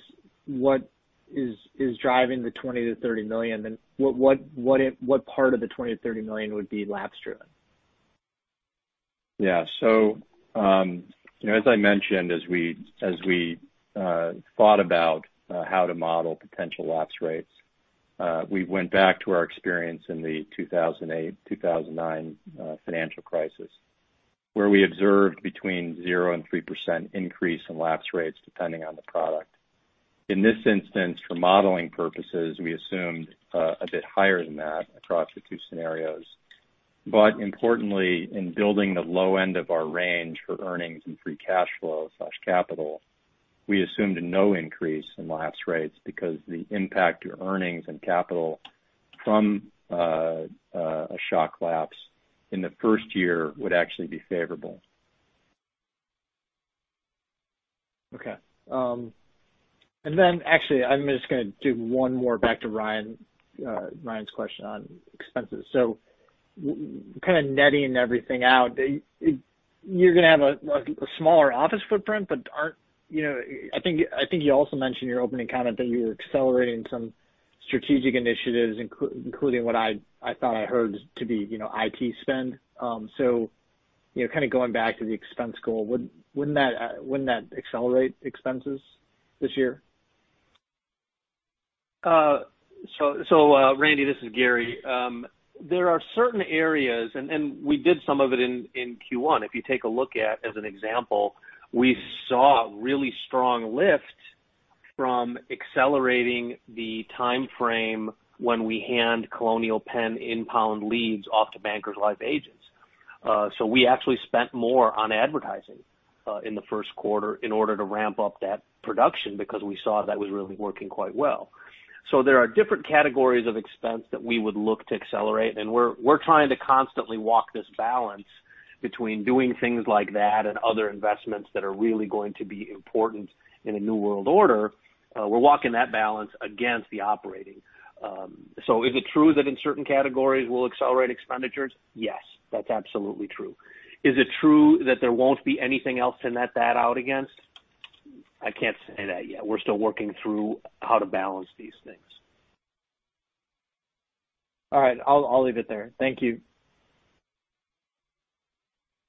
what is driving the $20 million-$30 million, what part of the $20 million-$30 million would be lapse driven? Yeah. As I mentioned, as we thought about how to model potential lapse rates, we went back to our experience in the 2008-2009 financial crisis, where we observed between 0%-3% increase in lapse rates, depending on the product. Importantly, in building the low end of our range for earnings and free cash flow/capital, we assumed no increase in lapse rates because the impact to earnings and capital from a shock lapse in the first year would actually be favorable. Okay. Actually, I'm just going to do one more back to Ryan's question on expenses. Kind of netting everything out, you're going to have a smaller office footprint, but I think you also mentioned in your opening comment that you're accelerating some strategic initiatives, including what I thought I heard to be IT spend. Kind of going back to the expense goal, wouldn't that accelerate expenses this year? Randy, this is Gary. There are certain areas, and we did some of it in Q1. If you take a look at, as an example, we saw a really strong lift from accelerating the timeframe when we hand Colonial Penn inbound leads off to Bankers Life agents. We actually spent more on advertising in the first quarter in order to ramp up that production because we saw that was really working quite well. There are different categories of expense that we would look to accelerate, and we're trying to constantly walk this balance between doing things like that and other investments that are really going to be important in a new world order. We're walking that balance against the operating. Is it true that in certain categories we'll accelerate expenditures? Yes, that's absolutely true. Is it true that there won't be anything else to net that out against? I can't say that yet. We're still working through how to balance these things. All right, I'll leave it there. Thank you.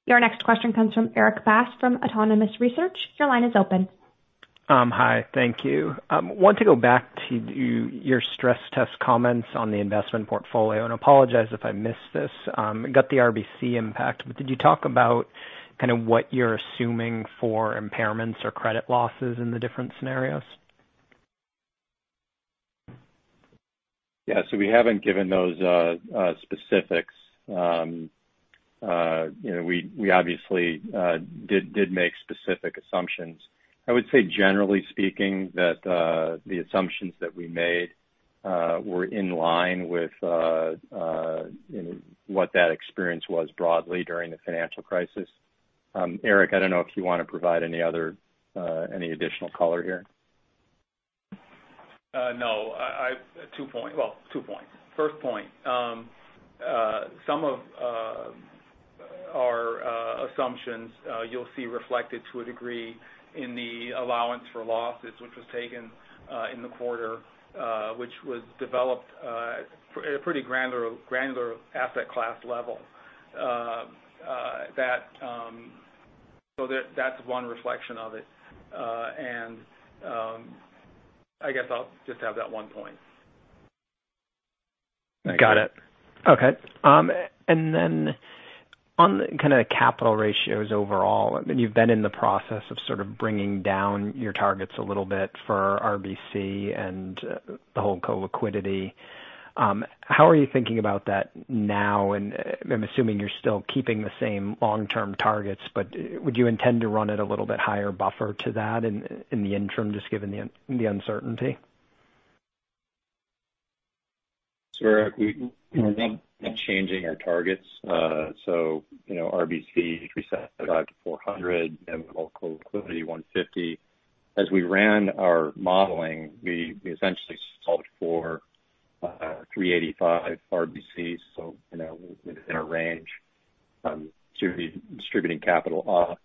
Your next question comes from Erik Bass from Autonomous Research. Your line is open. Hi, thank you. I want to go back to your stress test comments on the investment portfolio. Apologize if I missed this. It got the RBC impact, but did you talk about kind of what you're assuming for impairments or credit losses in the different scenarios? Yeah. We haven't given those specifics. We obviously did make specific assumptions. I would say, generally speaking, that the assumptions that we made were in line with what that experience was broadly during the financial crisis. Eric, I don't know if you want to provide any additional color here. No. Two points. First point, some of our assumptions you'll see reflected to a degree in the allowance for losses, which was taken in the quarter which was developed at a pretty granular asset class level. I guess I'll just have that one point. Got it. Okay. On the kind of capital ratios overall, you've been in the process of sort of bringing down your targets a little bit for RBC and the holdco liquidity. How are you thinking about that now? I'm assuming you're still keeping the same long-term targets, but would you intend to run at a little bit higher buffer to that in the interim, just given the uncertainty? Eric, we're not changing our targets. RBC, we set aside to 400. Holdco liquidity 150. As we ran our modeling, we essentially solved for 385 RBC, so within a range to be distributing capital,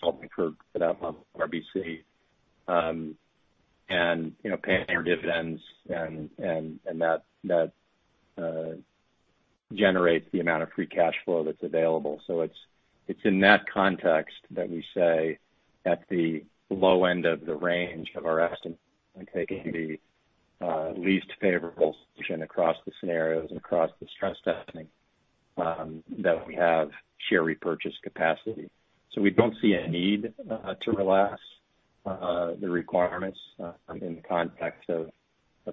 solving for that level of RBC, and paying our dividends, and that generates the amount of free cash flow that's available. It's in that context that we say at the low end of the range of our estimate, taking the least favorable position across the scenarios and across the stress testing, that we have share repurchase capacity. We don't see a need to relax the requirements in the context of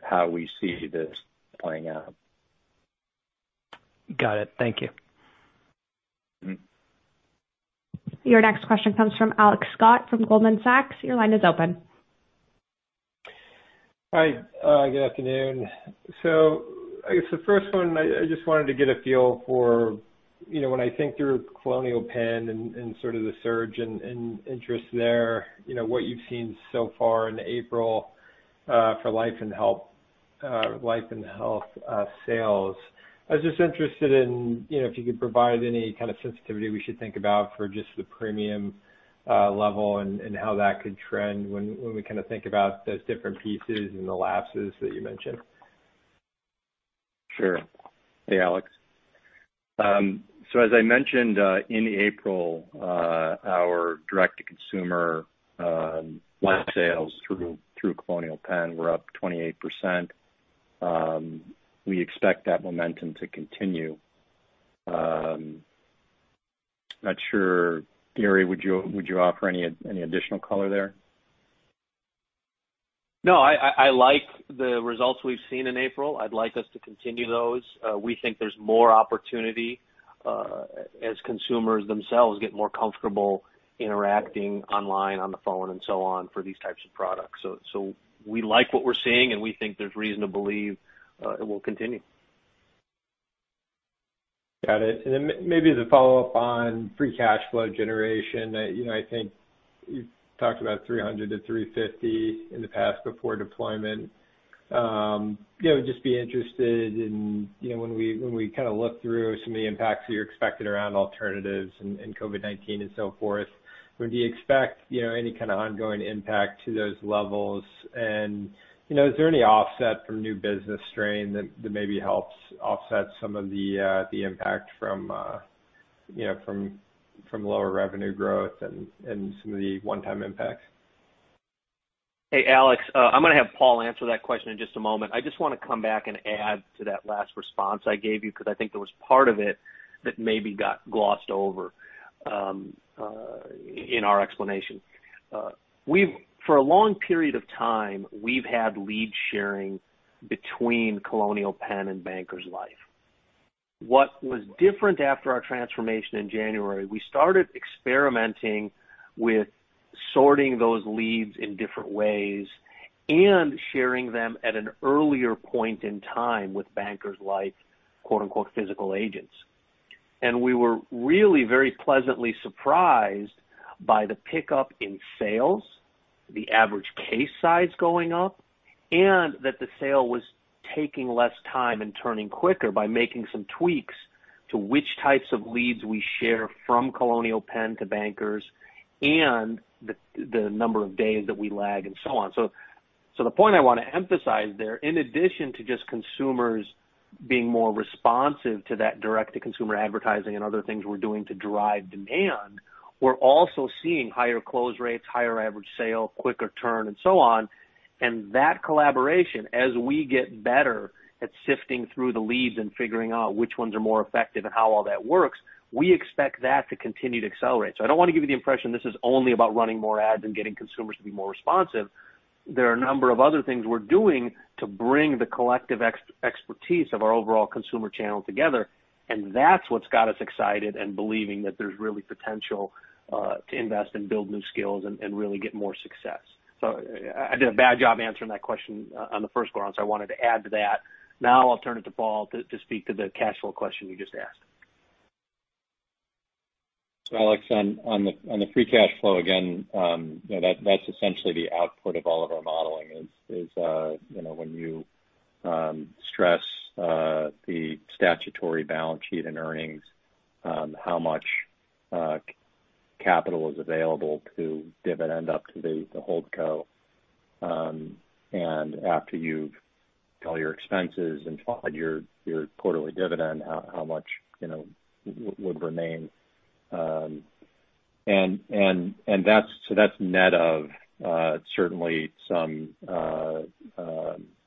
how we see this playing out. Got it. Thank you. Your next question comes from Alex Scott from Goldman Sachs. Your line is open. Hi. Good afternoon. I guess the first one, I just wanted to get a feel for when I think through Colonial Penn and sort of the surge in interest there, what you've seen so far in April for life and health sales. I was just interested in if you could provide any kind of sensitivity we should think about for just the premium level and how that could trend when we kind of think about those different pieces and the lapses that you mentioned. Sure. Hey, Alex. As I mentioned, in April, our direct-to-consumer life sales through Colonial Penn were up 28%. We expect that momentum to continue. I'm not sure, Gary, would you offer any additional color there? No, I like the results we've seen in April. I'd like us to continue those. We think there's more opportunity as consumers themselves get more comfortable interacting online, on the phone, and so on for these types of products. We like what we're seeing, and we think there's reason to believe it will continue. Got it. Maybe as a follow-up on free cash flow generation, I think you talked about $300-$350 in the past before deployment. I'd just be interested in when we kind of look through some of the impacts you're expecting around alternatives and COVID-19 and so forth, would you expect any kind of ongoing impact to those levels? Is there any offset from new business strain that maybe helps offset some of the impact from lower revenue growth and some of the one-time impacts? Hey, Alex Scott. I'm going to have Paul McDonough answer that question in just a moment. I just want to come back and add to that last response I gave you because I think there was part of it that maybe got glossed over in our explanation. For a long period of time, we've had lead sharing between Colonial Penn and Bankers Life. What was different after our transformation in January, we started experimenting with sorting those leads in different ways and sharing them at an earlier point in time with Bankers Life, quote-unquote, "physical agents." We were really very pleasantly surprised by the pickup in sales. The average case size going up, and that the sale was taking less time and turning quicker by making some tweaks to which types of leads we share from Colonial Penn to Bankers Life, and the number of days that we lag and so on. The point I want to emphasize there, in addition to just consumers being more responsive to that direct-to-consumer advertising and other things we're doing to drive demand, we're also seeing higher close rates, higher average sale, quicker turn, and so on. That collaboration, as we get better at sifting through the leads and figuring out which ones are more effective and how all that works, we expect that to continue to accelerate. I don't want to give you the impression this is only about running more ads and getting consumers to be more responsive. There are a number of other things we're doing to bring the collective expertise of our overall consumer channel together, and that's what's got us excited and believing that there's really potential to invest and build new skills and really get more success. I did a bad job answering that question on the first go around, so I wanted to add to that. Now I'll turn it to Paul McDonough to speak to the cash flow question you just asked. Alex Scott, on the free cash flow again, that's essentially the output of all of our modeling is when you stress the statutory balance sheet and earnings, how much capital is available to dividend up to the holdco. After you've got all your expenses and filed your quarterly dividend, how much would remain. That's net of certainly some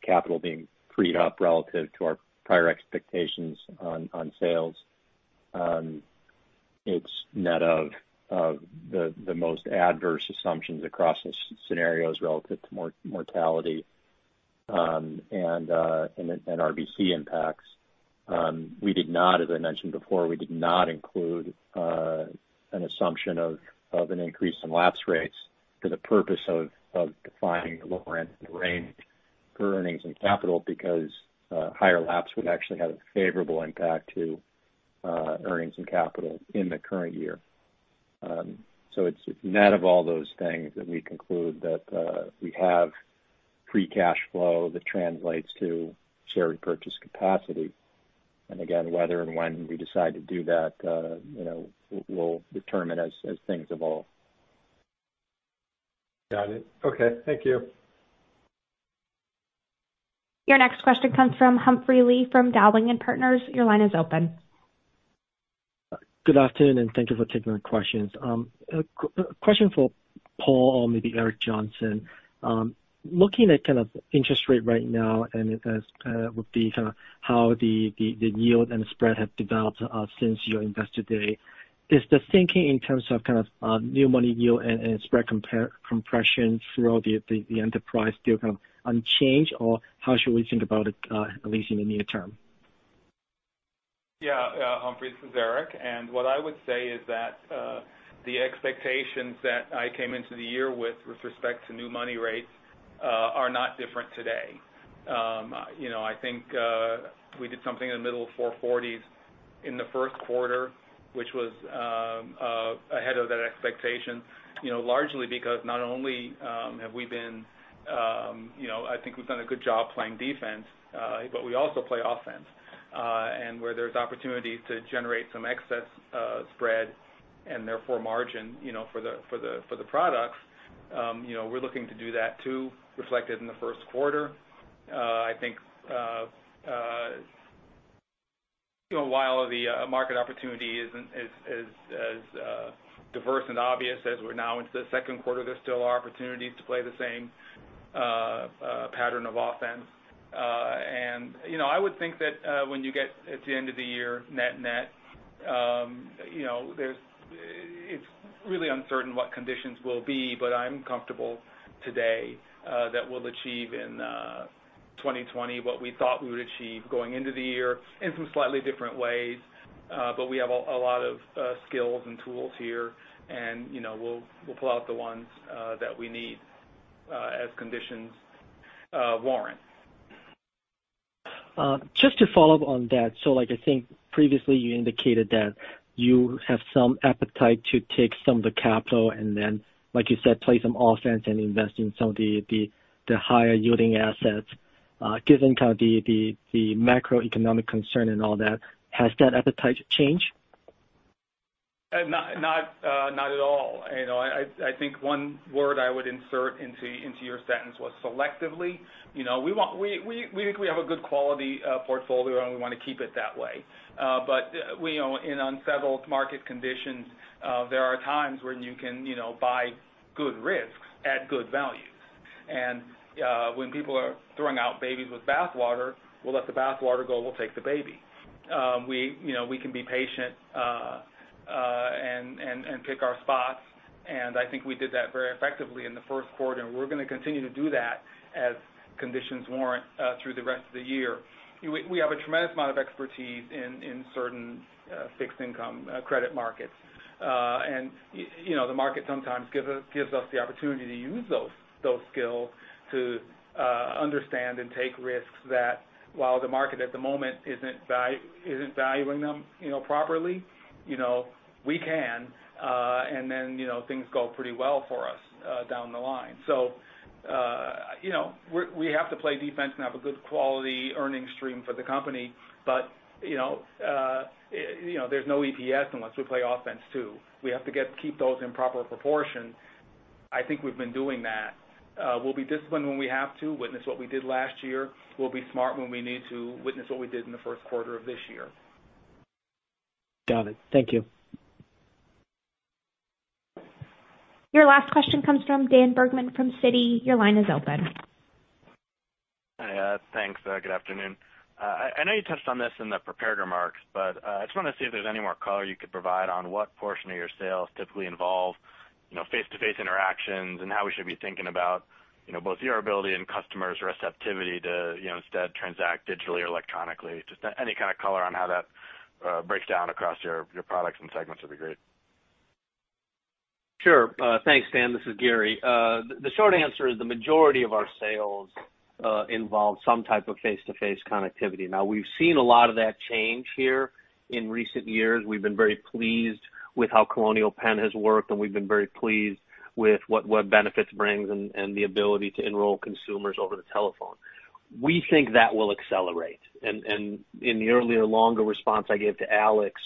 capital being freed up relative to our prior expectations on sales. It's net of the most adverse assumptions across the scenarios relative to mortality, and RBC impacts. As I mentioned before, we did not include an assumption of an increase in lapse rates for the purpose of defining the lower end of the range for earnings and capital because higher lapse would actually have a favorable impact to earnings and capital in the current year. It's net of all those things that we conclude that we have free cash flow that translates to share repurchase capacity. Again, whether and when we decide to do that, we'll determine as things evolve. Got it. Okay. Thank you. Your next question comes from Humphrey Lee, from Dowling & Partners. Your line is open. Good afternoon, thank you for taking my questions. Question for Paul or maybe Eric Johnson. Looking at kind of interest rate right now and with how the yield and spread have developed since your Investor Day, is the thinking in terms of kind of new money yield and spread compression through the enterprise still kind of unchanged, or how should we think about it, at least in the near term? Yeah. Humphrey, this is Eric. What I would say is that, the expectations that I came into the year with respect to new money rates are not different today. I think we did something in the middle of 4.40s in the first quarter, which was ahead of that expectation largely because I think we've done a good job playing defense, but we also play offense. Where there's opportunity to generate some excess spread and therefore margin for the products, we're looking to do that too, reflected in the first quarter. I think while the market opportunity isn't as diverse and obvious as we're now into the second quarter, there still are opportunities to play the same pattern of offense. I would think that when you get at the end of the year net-net, it's really uncertain what conditions will be, but I'm comfortable today that we'll achieve in 2020 what we thought we would achieve going into the year in some slightly different ways. We have a lot of skills and tools here, and we'll pull out the ones that we need as conditions warrant. Just to follow up on that. I think previously you indicated that you have some appetite to take some of the capital and, like you said, play some offense and invest in some of the higher yielding assets. Given kind of the macroeconomic concern and all that, has that appetite changed? Not at all. I think one word I would insert into your sentence was selectively. We think we have a good quality portfolio, and we want to keep it that way. In unsettled market conditions, there are times when you can buy good risks at good value. When people are throwing out babies with bathwater, we'll let the bathwater go, we'll take the baby. We can be patient and pick our spots, and I think we did that very effectively in the first quarter, and we're going to continue to do that as conditions warrant through the rest of the year. We have a tremendous amount of expertise in certain fixed income credit markets. The market sometimes gives us the opportunity to use those skills to understand and take risks that while the market at the moment isn't valuing them properly, we can. Things go pretty well for us down the line. We have to play defense and have a good quality earning stream for the company. There's no EPS unless we play offense, too. We have to keep those in proper proportion. I think we've been doing that. We'll be disciplined when we have to, witness what we did last year. We'll be smart when we need to, witness what we did in the first quarter of this year. Got it. Thank you. Your last question comes from Daniel Bergman from Citi. Your line is open. Hi. Thanks. Good afternoon. I know you touched on this in the prepared remarks, I just wanted to see if there's any more color you could provide on what portion of your sales typically involve face-to-face interactions and how we should be thinking about both your ability and customers' receptivity to instead transact digitally or electronically. Just any kind of color on how that breaks down across your products and segments would be great. Sure. Thanks, Dan. This is Gary. The short answer is the majority of our sales involve some type of face-to-face connectivity. We've seen a lot of that change here in recent years. We've been very pleased with how Colonial Penn has worked, and we've been very pleased with what benefits brings and the ability to enroll consumers over the telephone. We think that will accelerate. In the earlier longer response I gave to Alex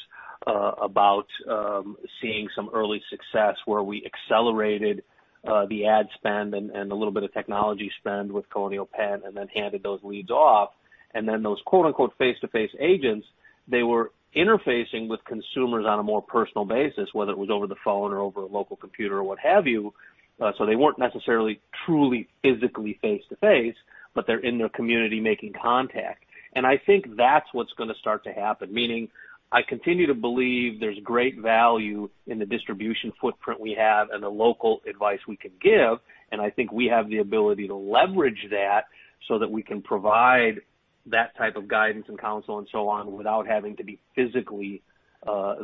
about seeing some early success where we accelerated the ad spend and a little bit of technology spend with Colonial Penn and then handed those leads off, and then those quote-unquote "face-to-face agents," they were interfacing with consumers on a more personal basis, whether it was over the phone or over a local computer or what have you. They weren't necessarily truly physically face-to-face, but they're in their community making contact. I think that's what's going to start to happen, meaning I continue to believe there's great value in the distribution footprint we have and the local advice we can give, and I think we have the ability to leverage that so that we can provide that type of guidance and counsel and so on without having to be physically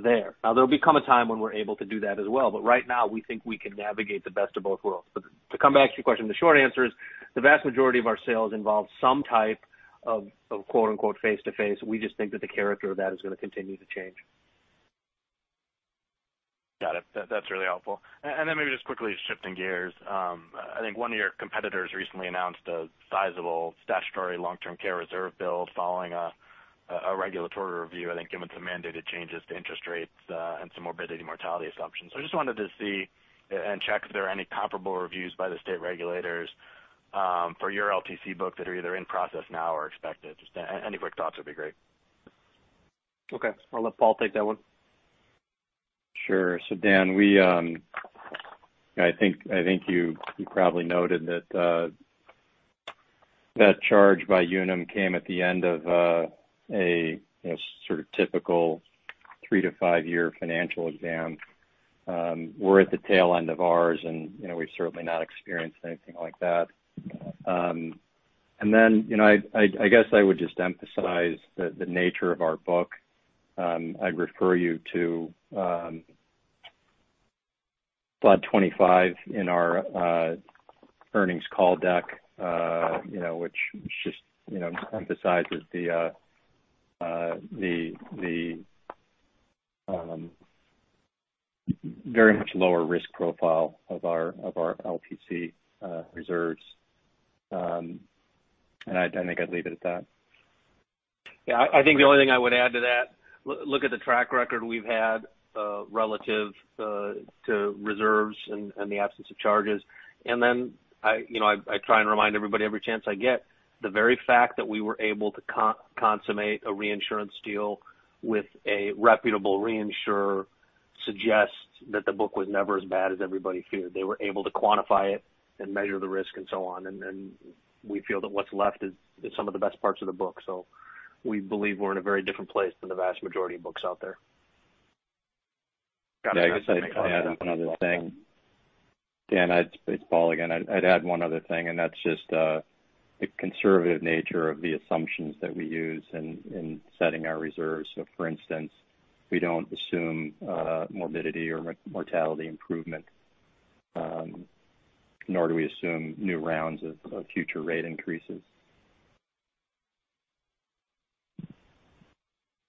there. There'll be come a time when we're able to do that as well, but right now we think we can navigate the best of both worlds. To come back to your question, the short answer is the vast majority of our sales involve some type of quote-unquote "face-to-face." We just think that the character of that is going to continue to change. Got it. That's really helpful. Then maybe just quickly shifting gears. I think one of your competitors recently announced a sizable statutory long-term care reserve build following a regulatory review, I think given some mandated changes to interest rates and some morbidity, mortality assumptions. I just wanted to see and check if there are any comparable reviews by the state regulators for your LTC book that are either in process now or expected. Just any quick thoughts would be great. Okay. I'll let Paul take that one. Sure. Dan, I think you probably noted that that charge by Unum came at the end of a sort of typical three to five-year financial exam. We're at the tail end of ours, and we've certainly not experienced anything like that. Then, I guess I would just emphasize the nature of our book. I'd refer you to slide 25 in our earnings call deck, which just emphasizes the very much lower risk profile of our LTC reserves. I think I'd leave it at that. Yeah, I think the only thing I would add to that, look at the track record we've had relative to reserves and the absence of charges. Then I try and remind everybody every chance I get, the very fact that we were able to consummate a reinsurance deal with a reputable reinsurer suggests that the book was never as bad as everybody feared. They were able to quantify it and measure the risk and so on. We feel that what's left is some of the best parts of the book. We believe we're in a very different place than the vast majority of books out there. Yeah, I guess I'd add one other thing. Dan, it's Paul again. I'd add one other thing, that's just the conservative nature of the assumptions that we use in setting our reserves. For instance, we don't assume morbidity or mortality improvement, nor do we assume new rounds of future rate increases.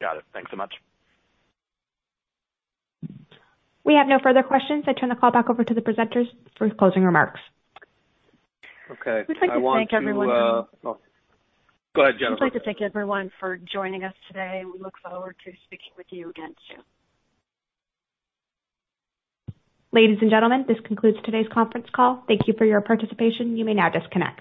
Got it. Thanks so much. We have no further questions. I turn the call back over to the presenters for closing remarks. Okay. I want to- We'd like to thank everyone- Go ahead, Jennifer. We'd like to thank everyone for joining us today. We look forward to speaking with you again soon. Ladies and gentlemen, this concludes today's conference call. Thank you for your participation. You may now disconnect.